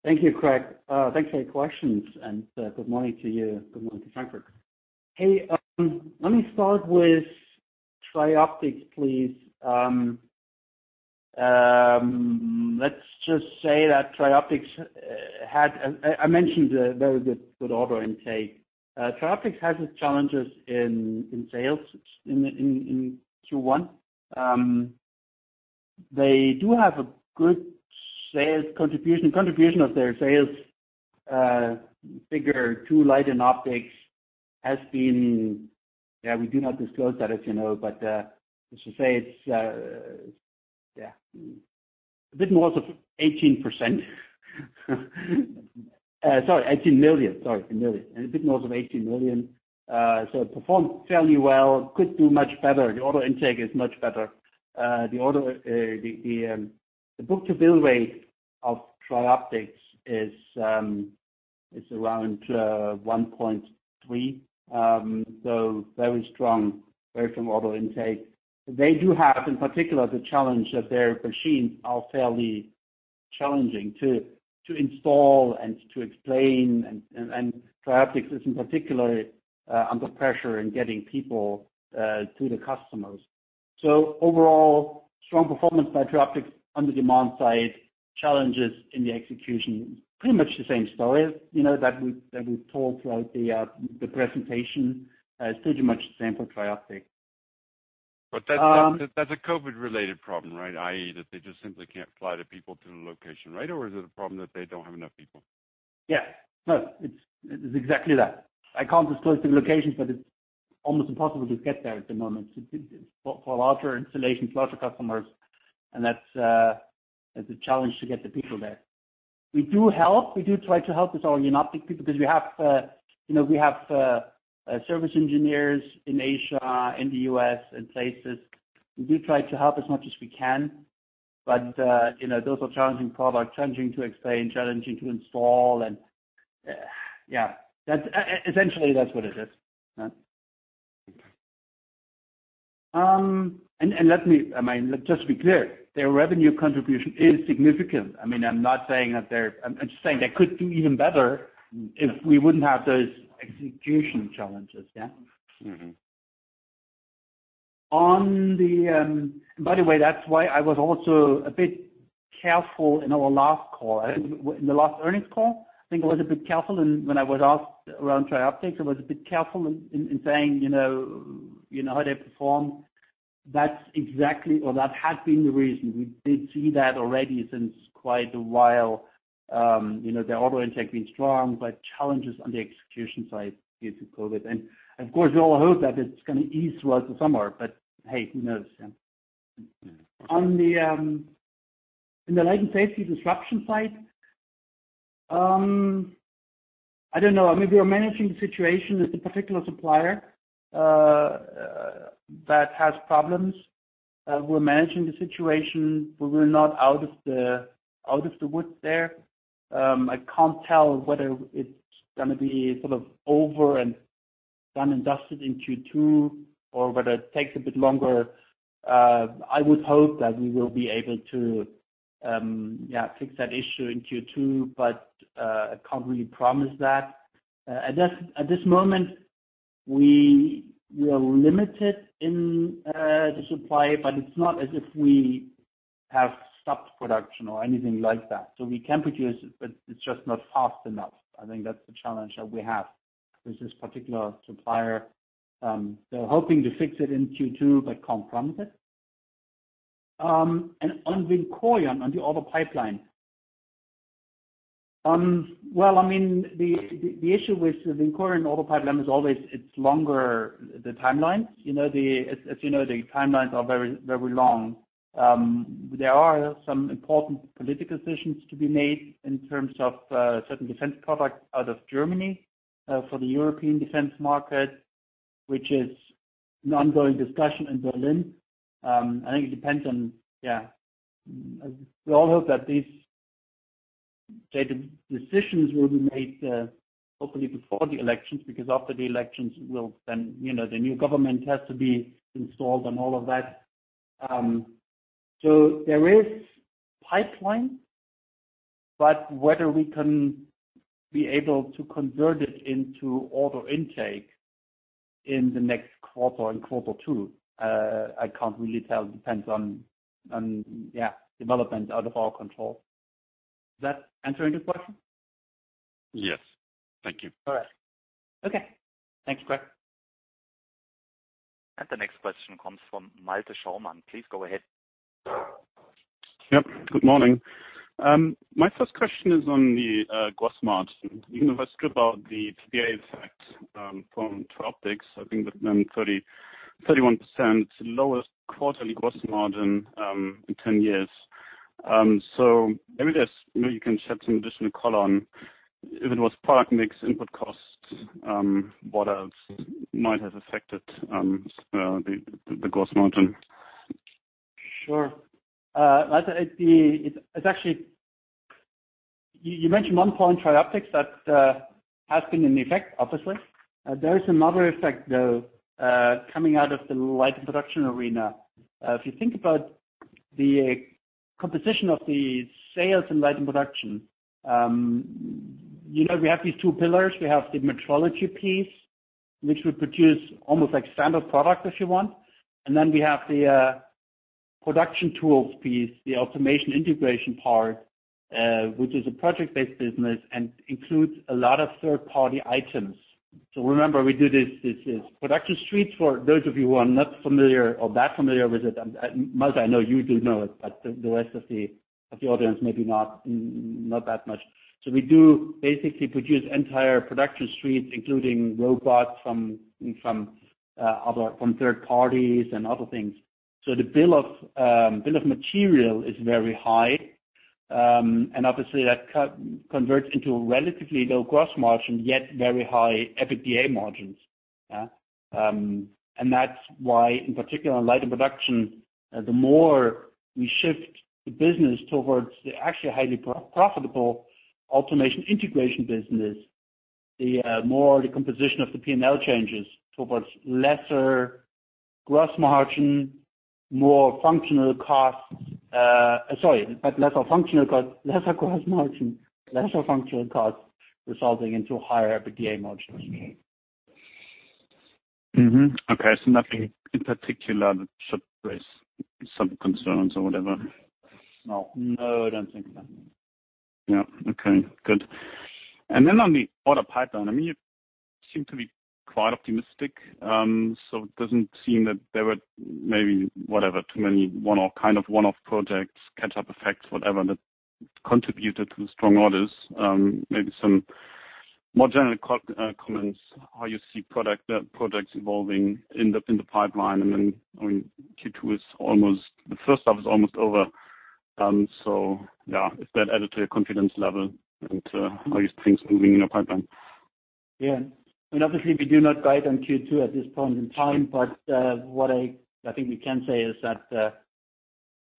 S3: Thank you, Craig. Thanks for your questions, and good morning to you. Good morning to Frankfurt. Let me start with TRIOPTICS, please. Let's just say that TRIOPTICS, I mentioned a very good order intake. TRIOPTICS has its challenges in sales in Q1. They do have a good sales contribution. Contribution of their sales figure to Light & Optics. We do not disclose that, as you know, but let's just say it's a bit north of 18%. Sorry, 18 million. Sorry, million. A bit north of 18 million. It performed fairly well, could do much better. The order intake is much better. The book-to-bill rate of TRIOPTICS is around 1.3, so very strong order intake. They do have, in particular, the challenge that their machines are fairly challenging to install and to explain, and TRIOPTICS is in particular under pressure in getting people to the customers. Overall, strong performance by TRIOPTICS on the demand side, challenges in the execution. Pretty much the same story that we told throughout the presentation. It's pretty much the same for TRIOPTICS.
S5: That's a COVID-related problem, right? I.e., that they just simply can't fly the people to the location, right? Is it a problem that they don't have enough people?
S3: Yeah, no, it's exactly that. I can't disclose the locations, but it's almost impossible to get there at the moment for larger installations, larger customers, and that's a challenge to get the people there. We do help. We do try to help with our Jenoptik people, because we have service engineers in Asia, in the U.S., and places. We do try to help as much as we can. Those are challenging products, challenging to explain, challenging to install. Essentially, that's what it is. Let me just be clear, their revenue contribution is significant. I'm just saying they could do even better if we wouldn't have those execution challenges, yeah? That's why I was also a bit careful in our last call. In the last earnings call, I think I was a bit careful when I was asked around TRIOPTICS. I was a bit careful in saying how they perform. That's exactly, or that has been the reason. We did see that already since quite a while. Their order intake being strong, but challenges on the execution side due to COVID. Of course, we all hope that it's going to ease throughout the summer. Hey, who knows? On the Light & Safety disruption side, I don't know. We are managing the situation with a particular supplier that has problems. We're managing the situation. We're not out of the woods there. I can't tell whether it's going to be sort of over and done and dusted in Q2, or whether it takes a bit longer. I would hope that we will be able to fix that issue in Q2, but I can't really promise that. At this moment, we are limited in the supply, but it's not as if we have stopped production or anything like that. We can produce it, but it's just not fast enough. I think that's the challenge that we have with this particular supplier. Hoping to fix it in Q2, but can't promise it. On VINCORION, on the order pipeline. The issue with VINCORION order pipeline is always it's longer, the timelines. As you know, the timelines are very long. There are some important political decisions to be made in terms of certain defense products out of Germany for the European defense market, which is an ongoing discussion in Berlin. We all hope that these decisions will be made hopefully before the elections, because after the elections, the new government has to be installed and all of that. There is pipeline, but whether we can be able to convert it into order intake in the next quarter, in quarter two, I can't really tell. Depends on development out of our control. Is that answering the question?
S5: Yes. Thank you.
S3: All right. Okay. Thank you, Craig.
S1: The next question comes from Malte Schaumann. Please go ahead.
S6: Yep. Good morning. My first question is on the gross margin. Even if I strip out the PPA effect from TRIOPTICS, I think that 31% lowest quarterly gross margin in 10 years. Maybe you can shed some additional color on if it was product mix input costs, what else might have affected the gross margin?
S3: Sure. Malte, you mentioned one point, TRIOPTICS that has been in effect, obviously. There is another effect, though, coming out of the Light & Production arena. If you think about the composition of the sales in Light & Production, we have these two pillars. We have the metrology piece, which we produce almost like standard product, if you want. We have the production tools piece, the automation integration part, which is a project-based business and includes a lot of third-party items. Remember, we do this production street for those of you who are not familiar or that familiar with it. Malte, I know you do know it, but the rest of the audience, maybe not that much. We do basically produce entire production streets, including robots from third parties and other things. The bill of material is very high. Obviously that converts into a relatively low gross margin, yet very high EBITDA margins. That's why, in particular in Light & Production, the more we shift the business towards the actually highly profitable automation integration business, the more the composition of the P&L changes towards lesser gross margin, more functional costs. Sorry, lesser functional cost, lesser gross margin, lesser functional costs resulting into higher EBITDA margins.
S6: Okay. Nothing in particular that should raise some concerns or whatever?
S3: No, I don't think so.
S6: Yeah. Okay, good. On the order pipeline, you seem to be quite optimistic. It doesn't seem that there were maybe, whatever, too many one-off projects, catch-up effects, whatever, that contributed to the strong orders. Maybe some more general comments, how you see products evolving in the pipeline. Q2, the first half is almost over. If that added to your confidence level and how are things moving in your pipeline?
S3: Yeah. Obviously we do not guide on Q2 at this point in time, what I think we can say is that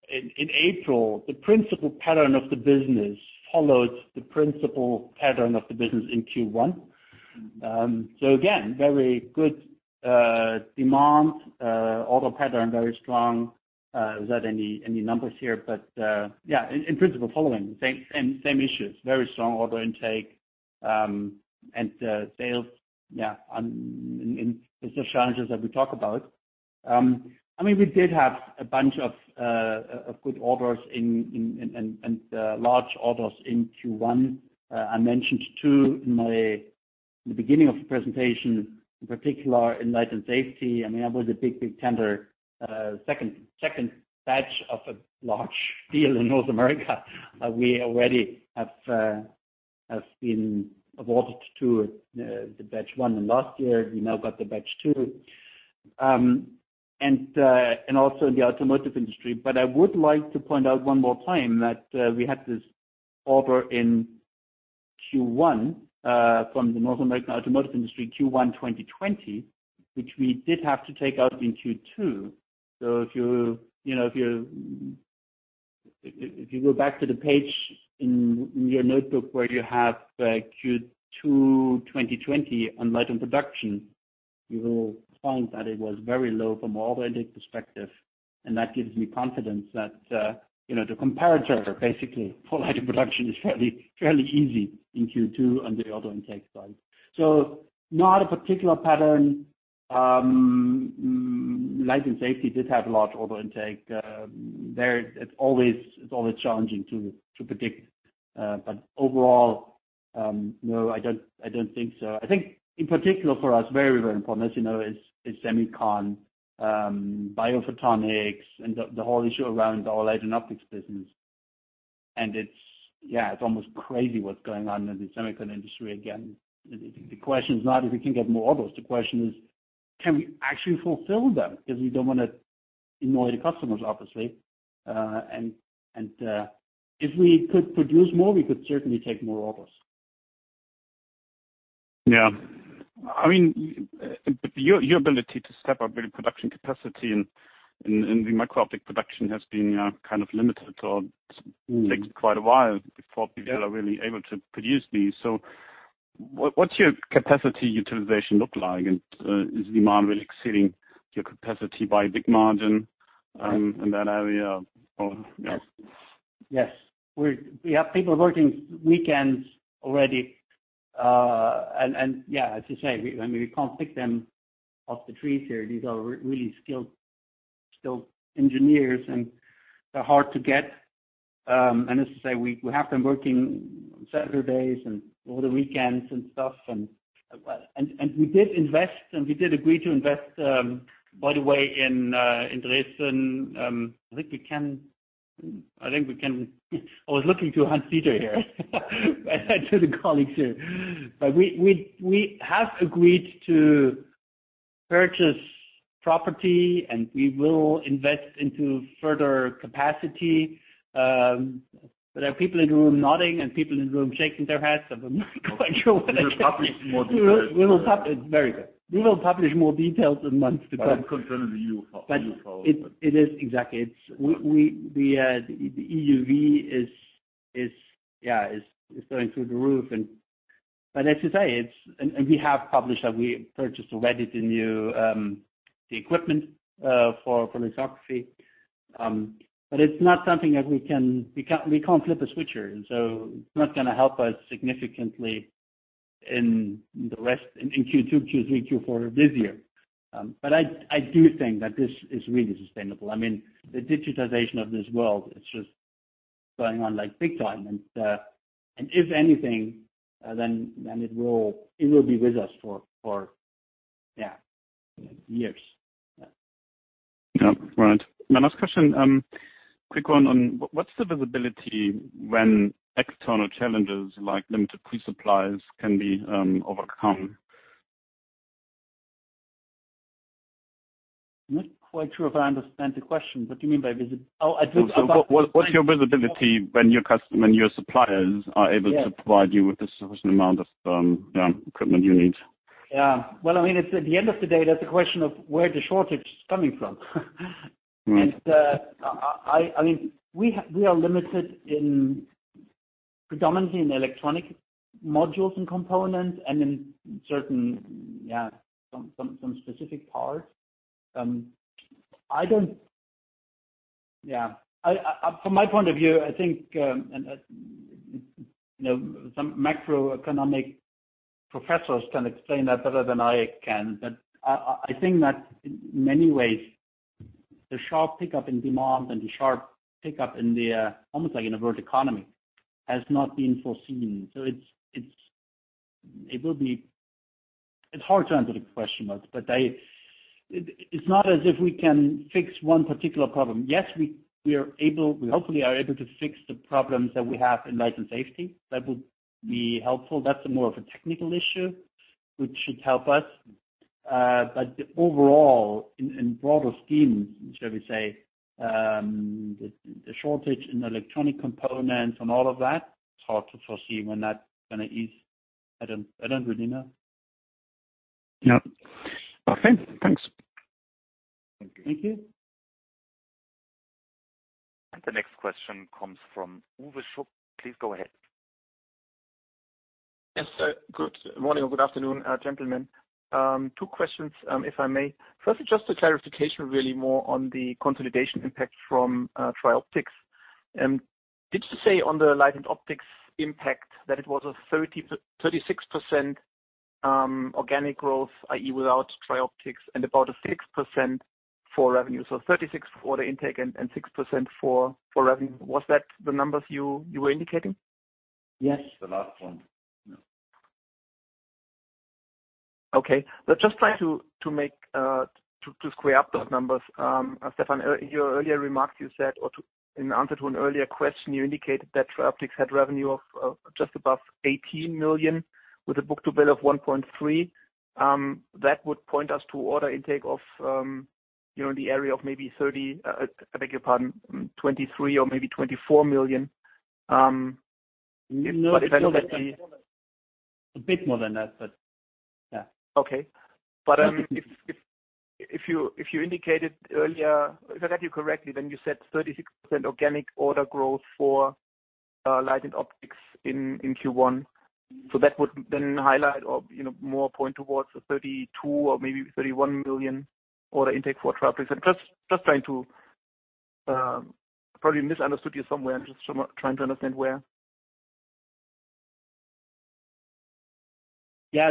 S3: in April, the principal pattern of the business followed the principal pattern of the business in Q1. Again, very good demand, order pattern, very strong, without any numbers here. Yeah, in principle, following. Same issues. Very strong order intake, sales on, and the challenges that we talk about. We did have a bunch of good orders and large orders in Q1. I mentioned two in the beginning of the presentation, in particular in Light & Safety. There was a big tender, second batch of a large deal in North America we already have been awarded to the batch one in last year. We now got the batch two. Also in the automotive industry. I would like to point out one more time that we had this order in Q1 from the North American automotive industry, Q1 2020, which we did have to take out in Q2. If you go back to the page in your notebook where you have Q2 2020 on Light & Production, you will find that it was very low from an order intake perspective. That gives me confidence that the comparator basically for Light & Production is fairly easy in Q2 on the order intake side. Not a particular pattern. Light & Safety did have large order intake. It's always challenging to predict, but overall, no, I don't think so. I think in particular for us, very important, as you know, is SEMICON, biophotonics, and the whole issue around our Light & Optics business. It's almost crazy what's going on in the SEMICON industry again. The question is not if we can get more orders. The question is, can we actually fulfill them? We don't want to annoy the customers, obviously. If we could produce more, we could certainly take more orders.
S6: Your ability to step up your production capacity in the micro-optics production has been kind of limited or takes quite a while before people are really able to produce these. What's your capacity utilization look like? Is demand really exceeding your capacity by a big margin in that area?
S3: Yes. We have people working weekends already. Yeah, as you say, we can't pick them off the trees here. These are really skilled engineers and they're hard to get. As I say, we have them working Saturdays and all the weekends and stuff and we did agree to invest, by the way in Dresden. I was looking to Hans-Dieter here to the colleagues here. We have agreed to purchase property, and we will invest into further capacity. There are people in the room nodding and people in the room shaking their heads. I'm not quite sure what.
S4: We will publish more details.
S3: Very good. We will publish more details in months to come.
S4: I am concerned of you how.
S3: It is, exactly. The EUV is going through the roof. As you say, and we have published that we purchased already the equipment for lithography. It's not something that we can't flip a switch, and so it's not going to help us significantly in Q2, Q3, Q4 of this year. I do think that this is really sustainable. The digitization of this world, it's just going on like big time. If anything, then it will be with us for years.
S6: Yeah. Right. My last question, quick one on what's the visibility when external challenges like limited key supplies can be overcome?
S3: I'm not quite sure if I understand the question. What do you mean by visibility?
S6: What's your visibility when your suppliers are able to provide you with the sufficient amount of equipment you need?
S3: Yeah. Well, at the end of the day, that's a question of where the shortage is coming from.
S6: Right.
S3: We are limited predominantly in electronic modules and components, and in some specific parts. From my point of view, I think some macroeconomic professors can explain that better than I can. I think that in many ways, the sharp pickup in demand and the sharp pickup in the, almost like in a world economy, has not been foreseen. It's hard to answer the question, but it's not as if we can fix one particular problem. Yes, we hopefully are able to fix the problems that we have in Light & Safety. That would be helpful. That's more of a technical issue, which should help us. Overall, in broader schemes, shall we say, the shortage in electronic components and all of that, it's hard to foresee when that's going to ease. I don't really know.
S6: Yeah. Okay, thanks.
S3: Thank you.
S1: The next question comes from Uwe Schupp. Please go ahead.
S7: Yes. Good morning or good afternoon, gentlemen. Two questions, if I may. First, just a clarification really more on the consolidation impact from TRIOPTICS. Did you say on the Light & Optics impact that it was a 36% organic growth, i.e., without TRIOPTICS, and about a 6% for revenue? 36% for the intake and 6% for revenue. Was that the numbers you were indicating?
S3: Yes.
S4: The last one.
S7: Okay. Just trying to square up those numbers. Stefan, in your earlier remarks, you said, or in answer to an earlier question, you indicated that TRIOPTICS had revenue of just above 18 million, with a book-to-bill of 1.3. That would point us to order intake of the area of maybe 30, I beg your pardon, 23 or maybe 24 million.
S3: No. A bit more than that, but yeah.
S7: If you indicated earlier, if I got you correctly, then you said 36% organic order growth for Light & Optics in Q1. That would then highlight or more point towards the 32 million or maybe 31 million order intake for TRIOPTICS. Probably misunderstood you somewhere. I'm just trying to understand where?
S3: Yeah.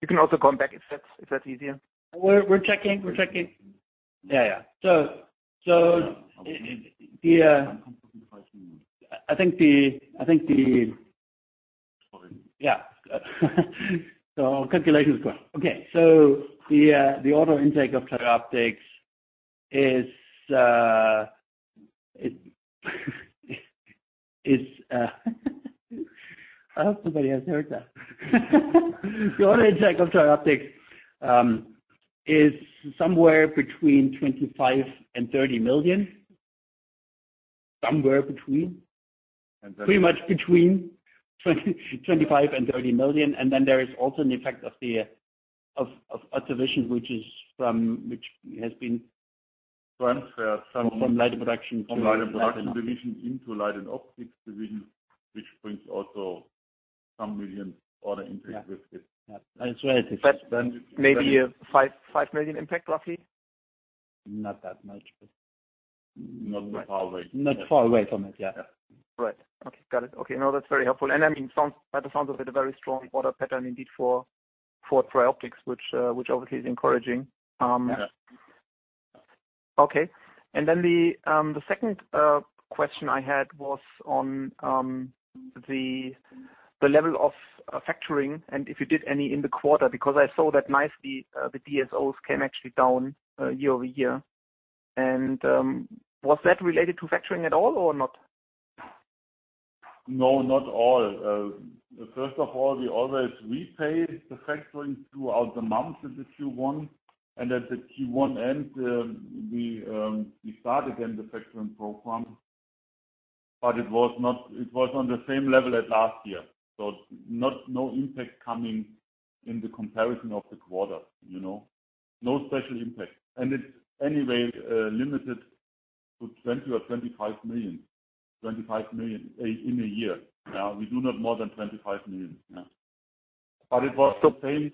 S7: You can also come back if that's easier.
S3: We're checking. Yeah.
S7: Sorry.
S3: Yeah. Our calculation is correct. Okay. The order intake of TRIOPTICS is I hope somebody has heard that. The order intake of TRIOPTICS is somewhere between 25 million and 30 million. Somewhere between.
S4: And then.
S3: Pretty much between 25 million and 30 million, there is also an effect of acquisition, which has been.
S4: Transferred from.
S3: From Light & Production
S4: From Light & Production division into Light & Optics division, which brings also some million order intake with it.
S3: Yeah. That's right.
S7: Maybe a 5 million impact, roughly?
S3: Not that much.
S4: Not far away.
S3: Not far away from it, yeah.
S4: Yeah.
S7: Right. Okay, got it. No, that's very helpful. By the sounds of it, a very strong order pattern indeed for TRIOPTICS, which obviously is encouraging.
S4: Yeah.
S7: Okay. The second question I had was on the level of factoring, and if you did any in the quarter, because I saw that nicely the DSOs came actually down year-over-year. Was that related to factoring at all or not?
S4: No, not all. First of all, we always repay the factoring throughout the month of the Q1, and at the Q1 end, we started again the factoring program. It was on the same level as last year, so no impact coming in the comparison of the quarter. No special impact. It's anyway limited to 20 million or 25 million in a year. We do not more than 25 million. It was the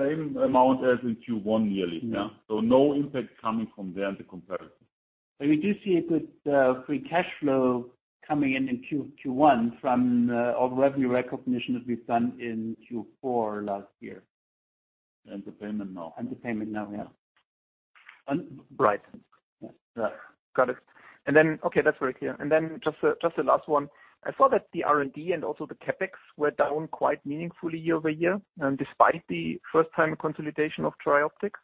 S4: same amount as in Q1 yearly.
S7: Yeah.
S4: No impact coming from there in the comparison.
S3: We do see a good free cash flow coming in in Q1 from all the revenue recognition that we've done in Q4 last year.
S4: The payment now.
S3: The payment now, yeah.
S7: Right. Got it. Okay, that's very clear. Then just the last one. I saw that the R&D and also the CapEx were down quite meaningfully year-over-year, despite the first time consolidation of TRIOPTICS.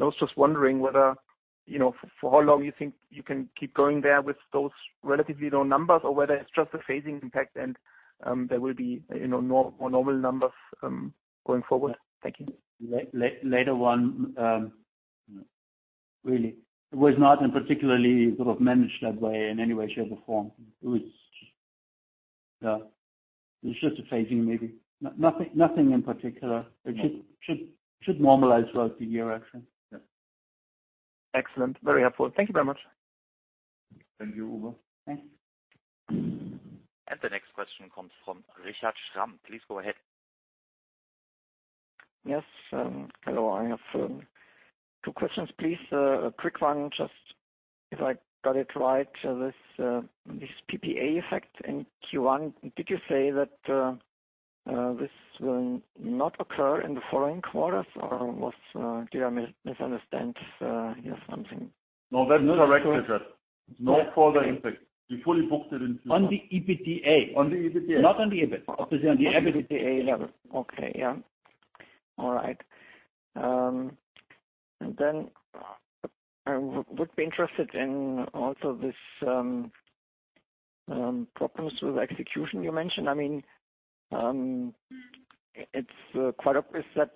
S7: I was just wondering for how long you think you can keep going there with those relatively low numbers or whether it's just a phasing impact and there will be more normal numbers going forward. Thank you.
S3: Later one, really. It was not in particularly sort of managed that way in any way, shape, or form. It was just a phasing, maybe. Nothing in particular. It should normalize throughout the year, actually.
S7: Excellent. Very helpful. Thank you very much.
S4: Thank you, Uwe.
S3: Thanks.
S1: The next question comes from Richard Schramm. Please go ahead.
S8: Yes. Hello. I have two questions, please. A quick one, just if I got it right, this PPA effect in Q1, did you say that this will not occur in the following quarters, or did I misunderstand something?
S4: No, that's correct, Richard. No further impact. We fully booked it in Q1.
S3: On the EBITDA.
S4: On the EBITDA.
S3: Not on the EBIT. Obviously, on the EBITDA level.
S8: Okay. Yeah. All right. Then I would be interested in also this problems with execution you mentioned. It's quite obvious that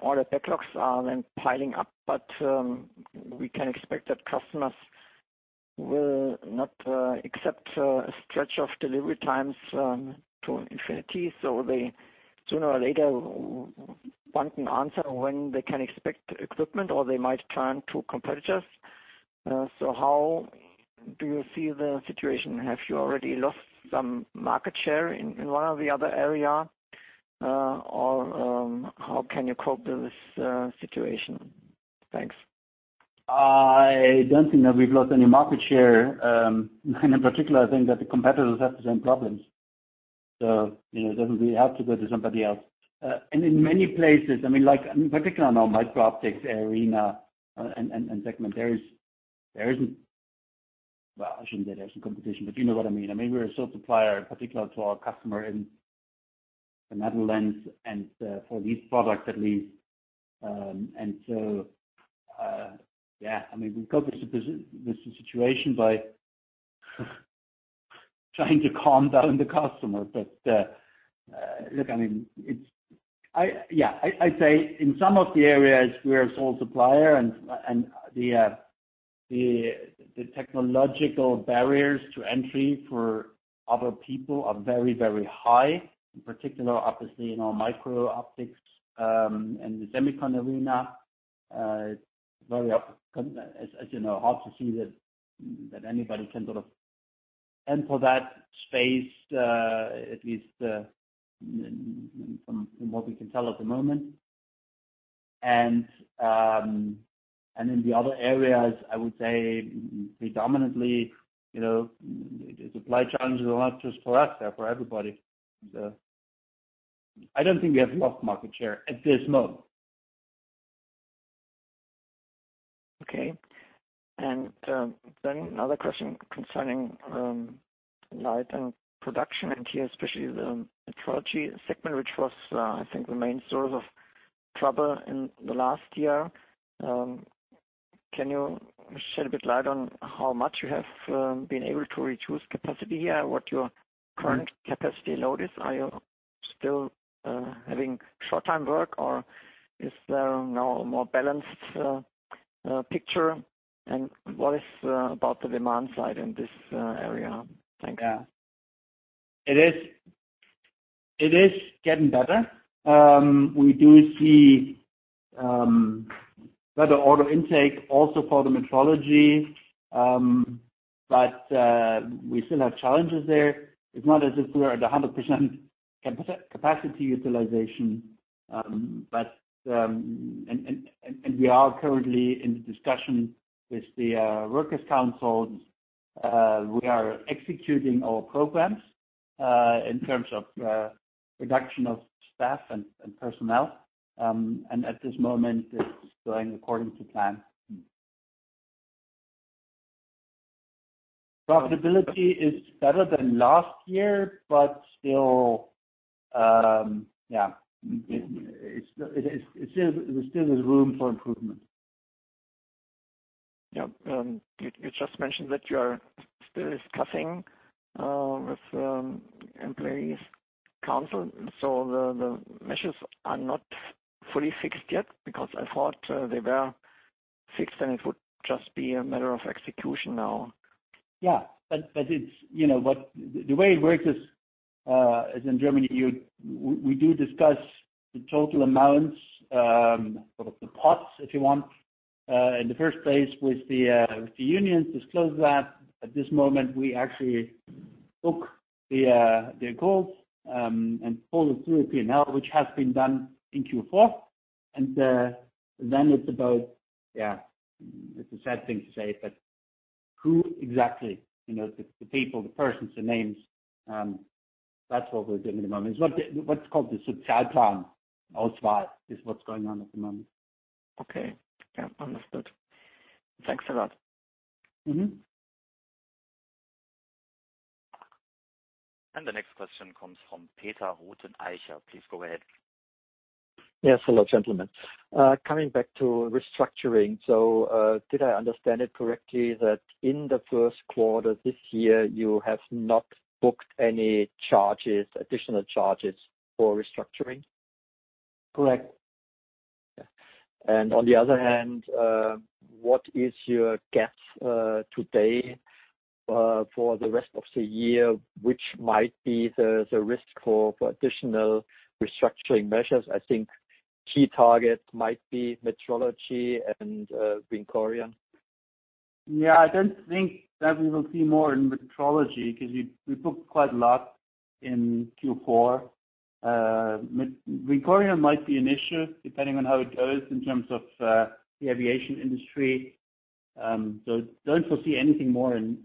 S8: order backlogs are then piling up, but we can expect that customers will not accept a stretch of delivery times to infinity. They sooner or later want an answer when they can expect equipment, or they might turn to competitors. How do you see the situation? Have you already lost some market share in one or the other area? How can you cope with this situation? Thanks.
S3: I don't think that we've lost any market share. In particular, I think that the competitors have the same problems. They wouldn't be able to go to somebody else. In many places, like in particular now, micro-optics arena and segment, there isn't. Well, I shouldn't say there isn't competition, but you know what I mean. Maybe we're a sole supplier in particular to our customer in the Netherlands and for these products, at least. Yeah, we cope with the situation by trying to calm down the customer. Look, I'd say in some of the areas, we're a sole supplier and the technological barriers to entry for other people are very, very high. In particular, obviously, in our micro-optics, and the SEMICON arena, it's very, as you know, hard to see that anybody can sort of enter that space, at least from what we can tell at the moment. In the other areas, I would say predominantly, the supply challenges are not just for us, they're for everybody. I don't think we have lost market share at this moment.
S8: Okay. Then another question concerning Light & Production, and here, especially the metrology segment, which was I think the main source of trouble in the last year. Can you shed a bit light on how much you have been able to reduce capacity here? What your current capacity load is? Are you still having short time work, or is there now a more balanced picture? What is about the demand side in this area? Thanks.
S3: Yeah. It is getting better. We do see better order intake also for the metrology. We still have challenges there. It's not as if we are at 100% capacity utilization. We are currently in discussion with the workers councils. We are executing our programs, in terms of reduction of staff and personnel. At this moment, it's going according to plan. Profitability is better than last year. Still, there still is room for improvement.
S8: Yep. You just mentioned that you are still discussing with employees council, so the measures are not fully fixed yet? Because I thought they were fixed, and it would just be a matter of execution now.
S3: Yeah. The way it works is, in Germany, we do discuss the total amounts, sort of the pots, if you want, in the first place with the unions disclose that. At this moment, we actually book their goals, and pull it through a P&L, which has been done in Q4. It's about, it's a sad thing to say, but who exactly, the people, the persons, the names, that's what we're doing at the moment. This is what's going on at the moment.
S8: Okay. Yeah, understood. Thanks a lot.
S1: The next question comes from Peter Rothenaicher. Please go ahead.
S9: Yes. Hello, gentlemen. Coming back to restructuring. Did I understand it correctly that in the first quarter this year, you have not booked any additional charges for restructuring?
S3: Correct.
S9: Yeah. On the other hand, what is your guess today, for the rest of the year, which might be the risk for additional restructuring measures? I think key target might be metrology and VINCORION.
S3: I don't think that we will see more in metrology because we booked quite a lot in Q4. VINCORION might be an issue depending on how it goes in terms of the aviation industry. Don't foresee anything more in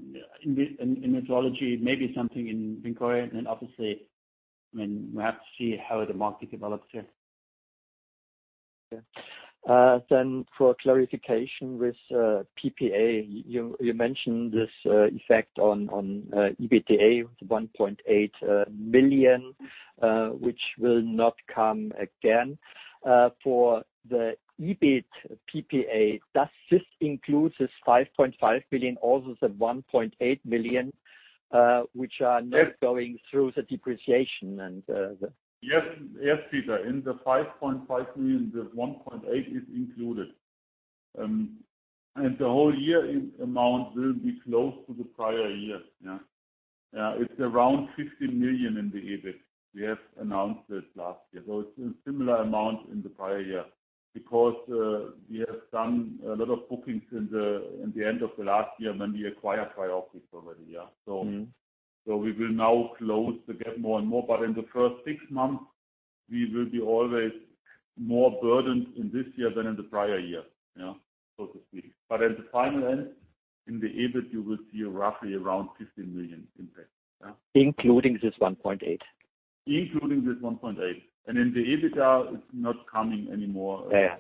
S3: metrology. Maybe something in VINCORION. Obviously, we have to see how the market develops here.
S9: Yeah. For clarification with PPA, you mentioned this effect on EBITDA of 1.8 million, which will not come again. For the EBIT PPA, does this include this 5.5 million, also the 1.8 million, which are not going through the depreciation?
S4: Yes, Peter, in the 5.5 million, the 1.8 is included. The whole year amount will be close to the prior year. It's around 15 million in the EBIT. We have announced it last year, so it's a similar amount in the prior year because we have done a lot of bookings in the end of the last year when we acquired TRIOPTICS already. We will now close the gap more and more, but in the first six months we will be always more burdened in this year than in the prior year. To speak. At the final end, in the EBIT, you will see roughly around 15 million impact. Yeah.
S9: Including this 1.8?
S4: Including this 1.8. In the EBITDA, it's not coming anymore.
S9: Yeah.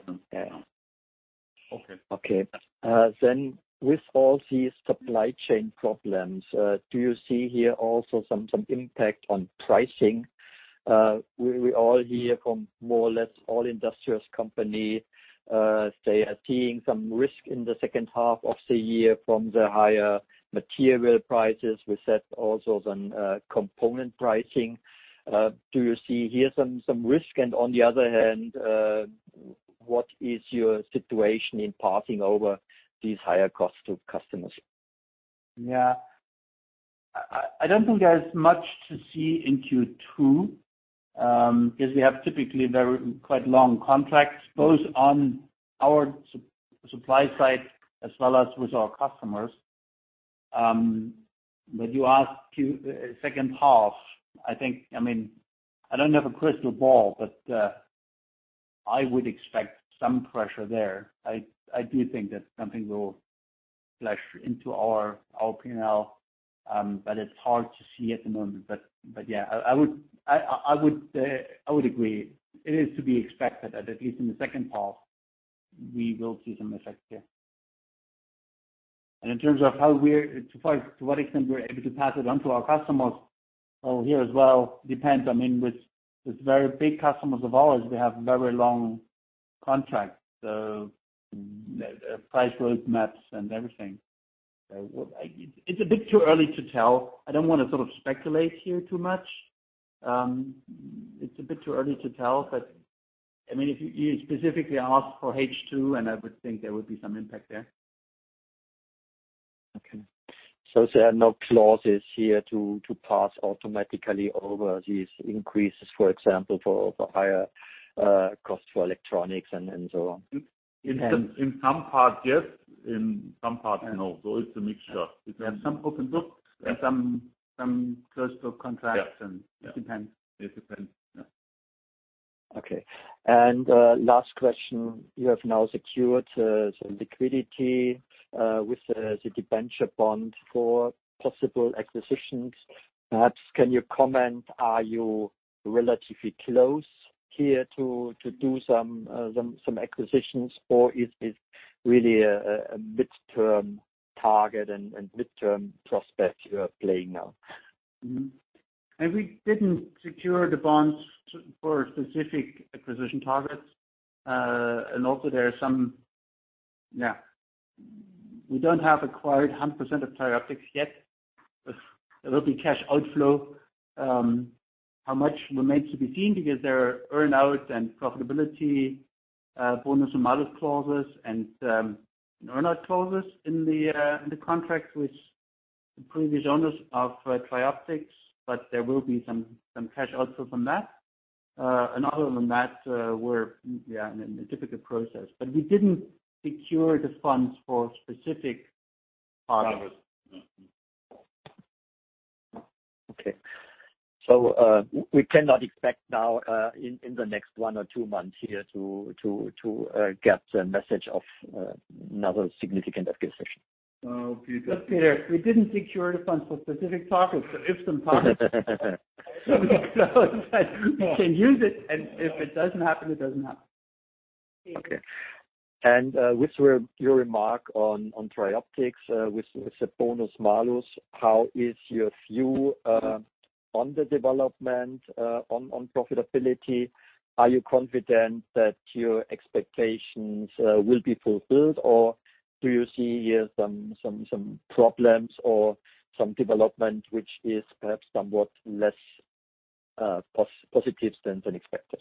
S4: Okay.
S9: Okay. With all these supply chain problems, do you see here also some impact on pricing? We all hear from more or less all industrial company, they are seeing some risk in the second half of the year from the higher material prices. We said also then, component pricing. Do you see here some risk? On the other hand, what is your situation in passing over these higher costs to customers?
S3: Yeah. I don't think there's much to see in Q2, because we have typically quite long contracts, both on our supply side as well as with our customers. You ask second half, I think, I don't have a crystal ball, but I would expect some pressure there. I do think that something will flush into our P&L, but it's hard to see at the moment. Yeah, I would agree. It is to be expected that at least in the second half, we will see some effect here. In terms of to what extent we're able to pass it on to our customers, well, here as well, depends. With very big customers of ours, we have very long contracts, so price roadmaps and everything. It's a bit too early to tell. I don't want to speculate here too much. It's a bit too early to tell. If you specifically ask for H2, and I would think there would be some impact there.
S9: Okay. There are no clauses here to pass automatically over these increases, for example, for higher cost for electronics and so on?
S4: In some parts, yes. In some parts, no. It's a mixture.
S3: We have some open books and some closed book contracts.
S4: Yeah.
S3: It depends.
S4: It depends. Yeah.
S9: Okay. Last question. You have now secured some liquidity with the debenture bond for possible acquisitions. Perhaps can you comment, are you relatively close here to do some acquisitions, or is this really a midterm target and midterm prospect you are playing now?
S3: We didn't secure the bonds for specific acquisition targets. Also, we don't have acquired 100% of TRIOPTICS yet. There will be cash outflow. How much remains to be seen because there are earn-out and profitability bonus and malus clauses and earn-out clauses in the contract with the previous owners of TRIOPTICS, but there will be some cash outflow from that. Other than that, we're in the typical process. We didn't secure the funds for specific targets.
S4: Targets.
S9: Okay. We cannot expect now in the next one or two months here to get a message of another significant acquisition?
S4: No.
S3: Look, Peter, we didn't secure the funds for specific targets, so if some target can use it, and if it doesn't happen, it doesn't happen.
S9: Okay. With your remark on TRIOPTICS with the bonus-malus, how is your view on the development on profitability? Are you confident that your expectations will be fulfilled, or do you see here some problems or some development which is perhaps somewhat less positive than expected?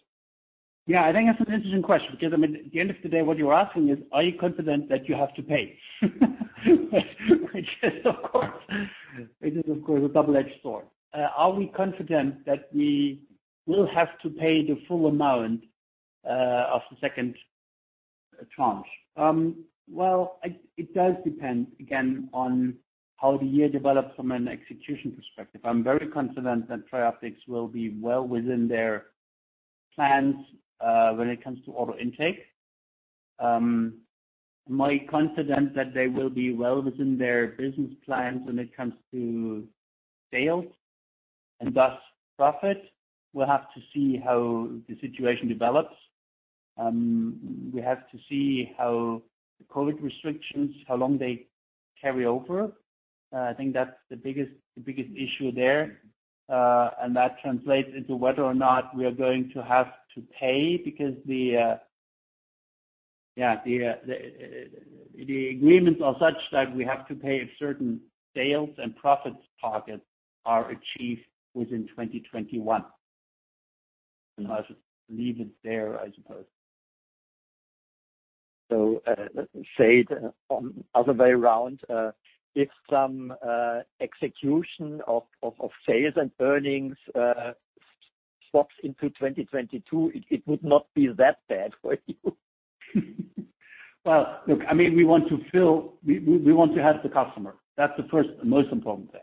S3: Yeah, I think that's an interesting question because, at the end of the day, what you're asking is, are you confident that you have to pay? Which is, of course, a double-edged sword. Are we confident that we will have to pay the full amount of the second tranche? Well, it does depend, again, on how the year develops from an execution perspective. I'm very confident that TRIOPTICS will be well within their plans when it comes to order intake. Am I confident that they will be well within their business plans when it comes to sales and thus profit? We'll have to see how the situation develops. We have to see how the COVID-19 restrictions, how long they carry over. I think that's the biggest issue there. That translates into whether or not we are going to have to pay because the agreements are such that we have to pay if certain sales and profits targets are achieved within 2021. I should leave it there, I suppose.
S9: Say the other way around, if some execution of sales and earnings swaps into 2022, it would not be that bad for you.
S3: Well, look, we want to help the customer. That's the first and most important thing,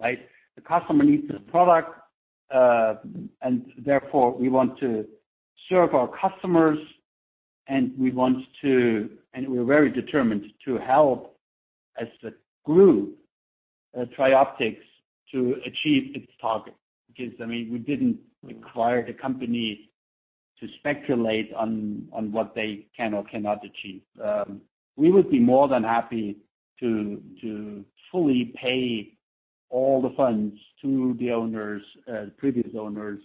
S3: right? The customer needs the product, therefore, we want to serve our customers, and we're very determined to help as the group, TRIOPTICS to achieve its target. We didn't acquire the company to speculate on what they can or cannot achieve. We would be more than happy to fully pay all the funds to the previous owners,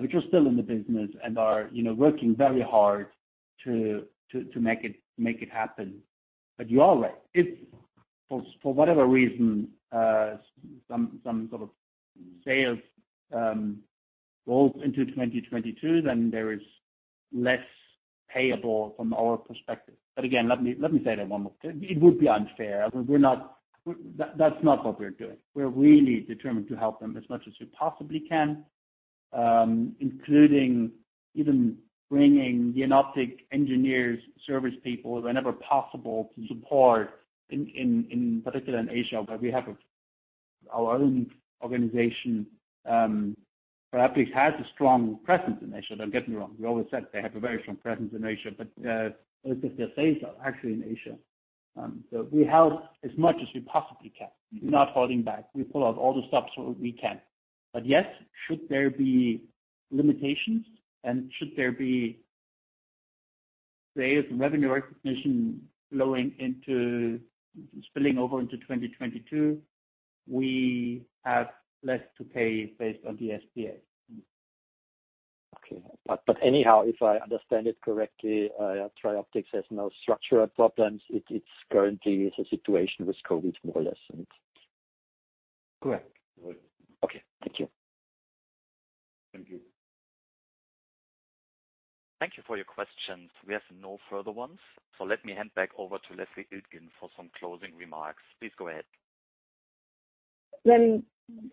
S3: which are still in the business and are working very hard to make it happen. If, for whatever reason, some sort of sales rolls into 2022, then there is less payable from our perspective. Again, let me say that one more time. It would be unfair. That's not what we're doing. We're really determined to help them as much as we possibly can, including even bringing Jenoptik engineers, service people, whenever possible, to support in particular in Asia, where our own organization, perhaps has a strong presence in Asia. Don't get me wrong. We always said they have a very strong presence in Asia, but it's just their sales are actually in Asia. We help as much as we possibly can. We're not holding back. We pull out all the stops where we can. Yes, should there be limitations and should there be sales revenue recognition spilling over into 2022, we have less to pay based on the SPA.
S9: Okay. Anyhow, if I understand it correctly, TRIOPTICS has no structural problems. It currently is a situation with COVID, more or less.
S3: Correct.
S9: Okay. Thank you.
S4: Thank you.
S1: Thank you for your questions. We have no further ones. Let me hand back over to Leslie Iltgen for some closing remarks. Please go ahead.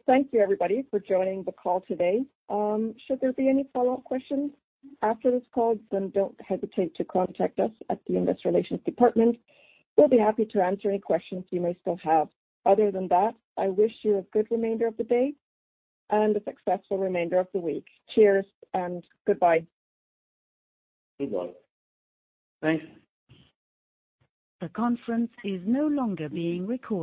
S2: Thank you everybody for joining the call today. Should there be any follow-up questions after this call, then don't hesitate to contact us at the investor relations department. We'll be happy to answer any questions you may still have. Other than that, I wish you a good remainder of the day and a successful remainder of the week. Cheers and goodbye.
S4: Goodbye.
S3: Thanks.
S1: The conference is no longer being recorded.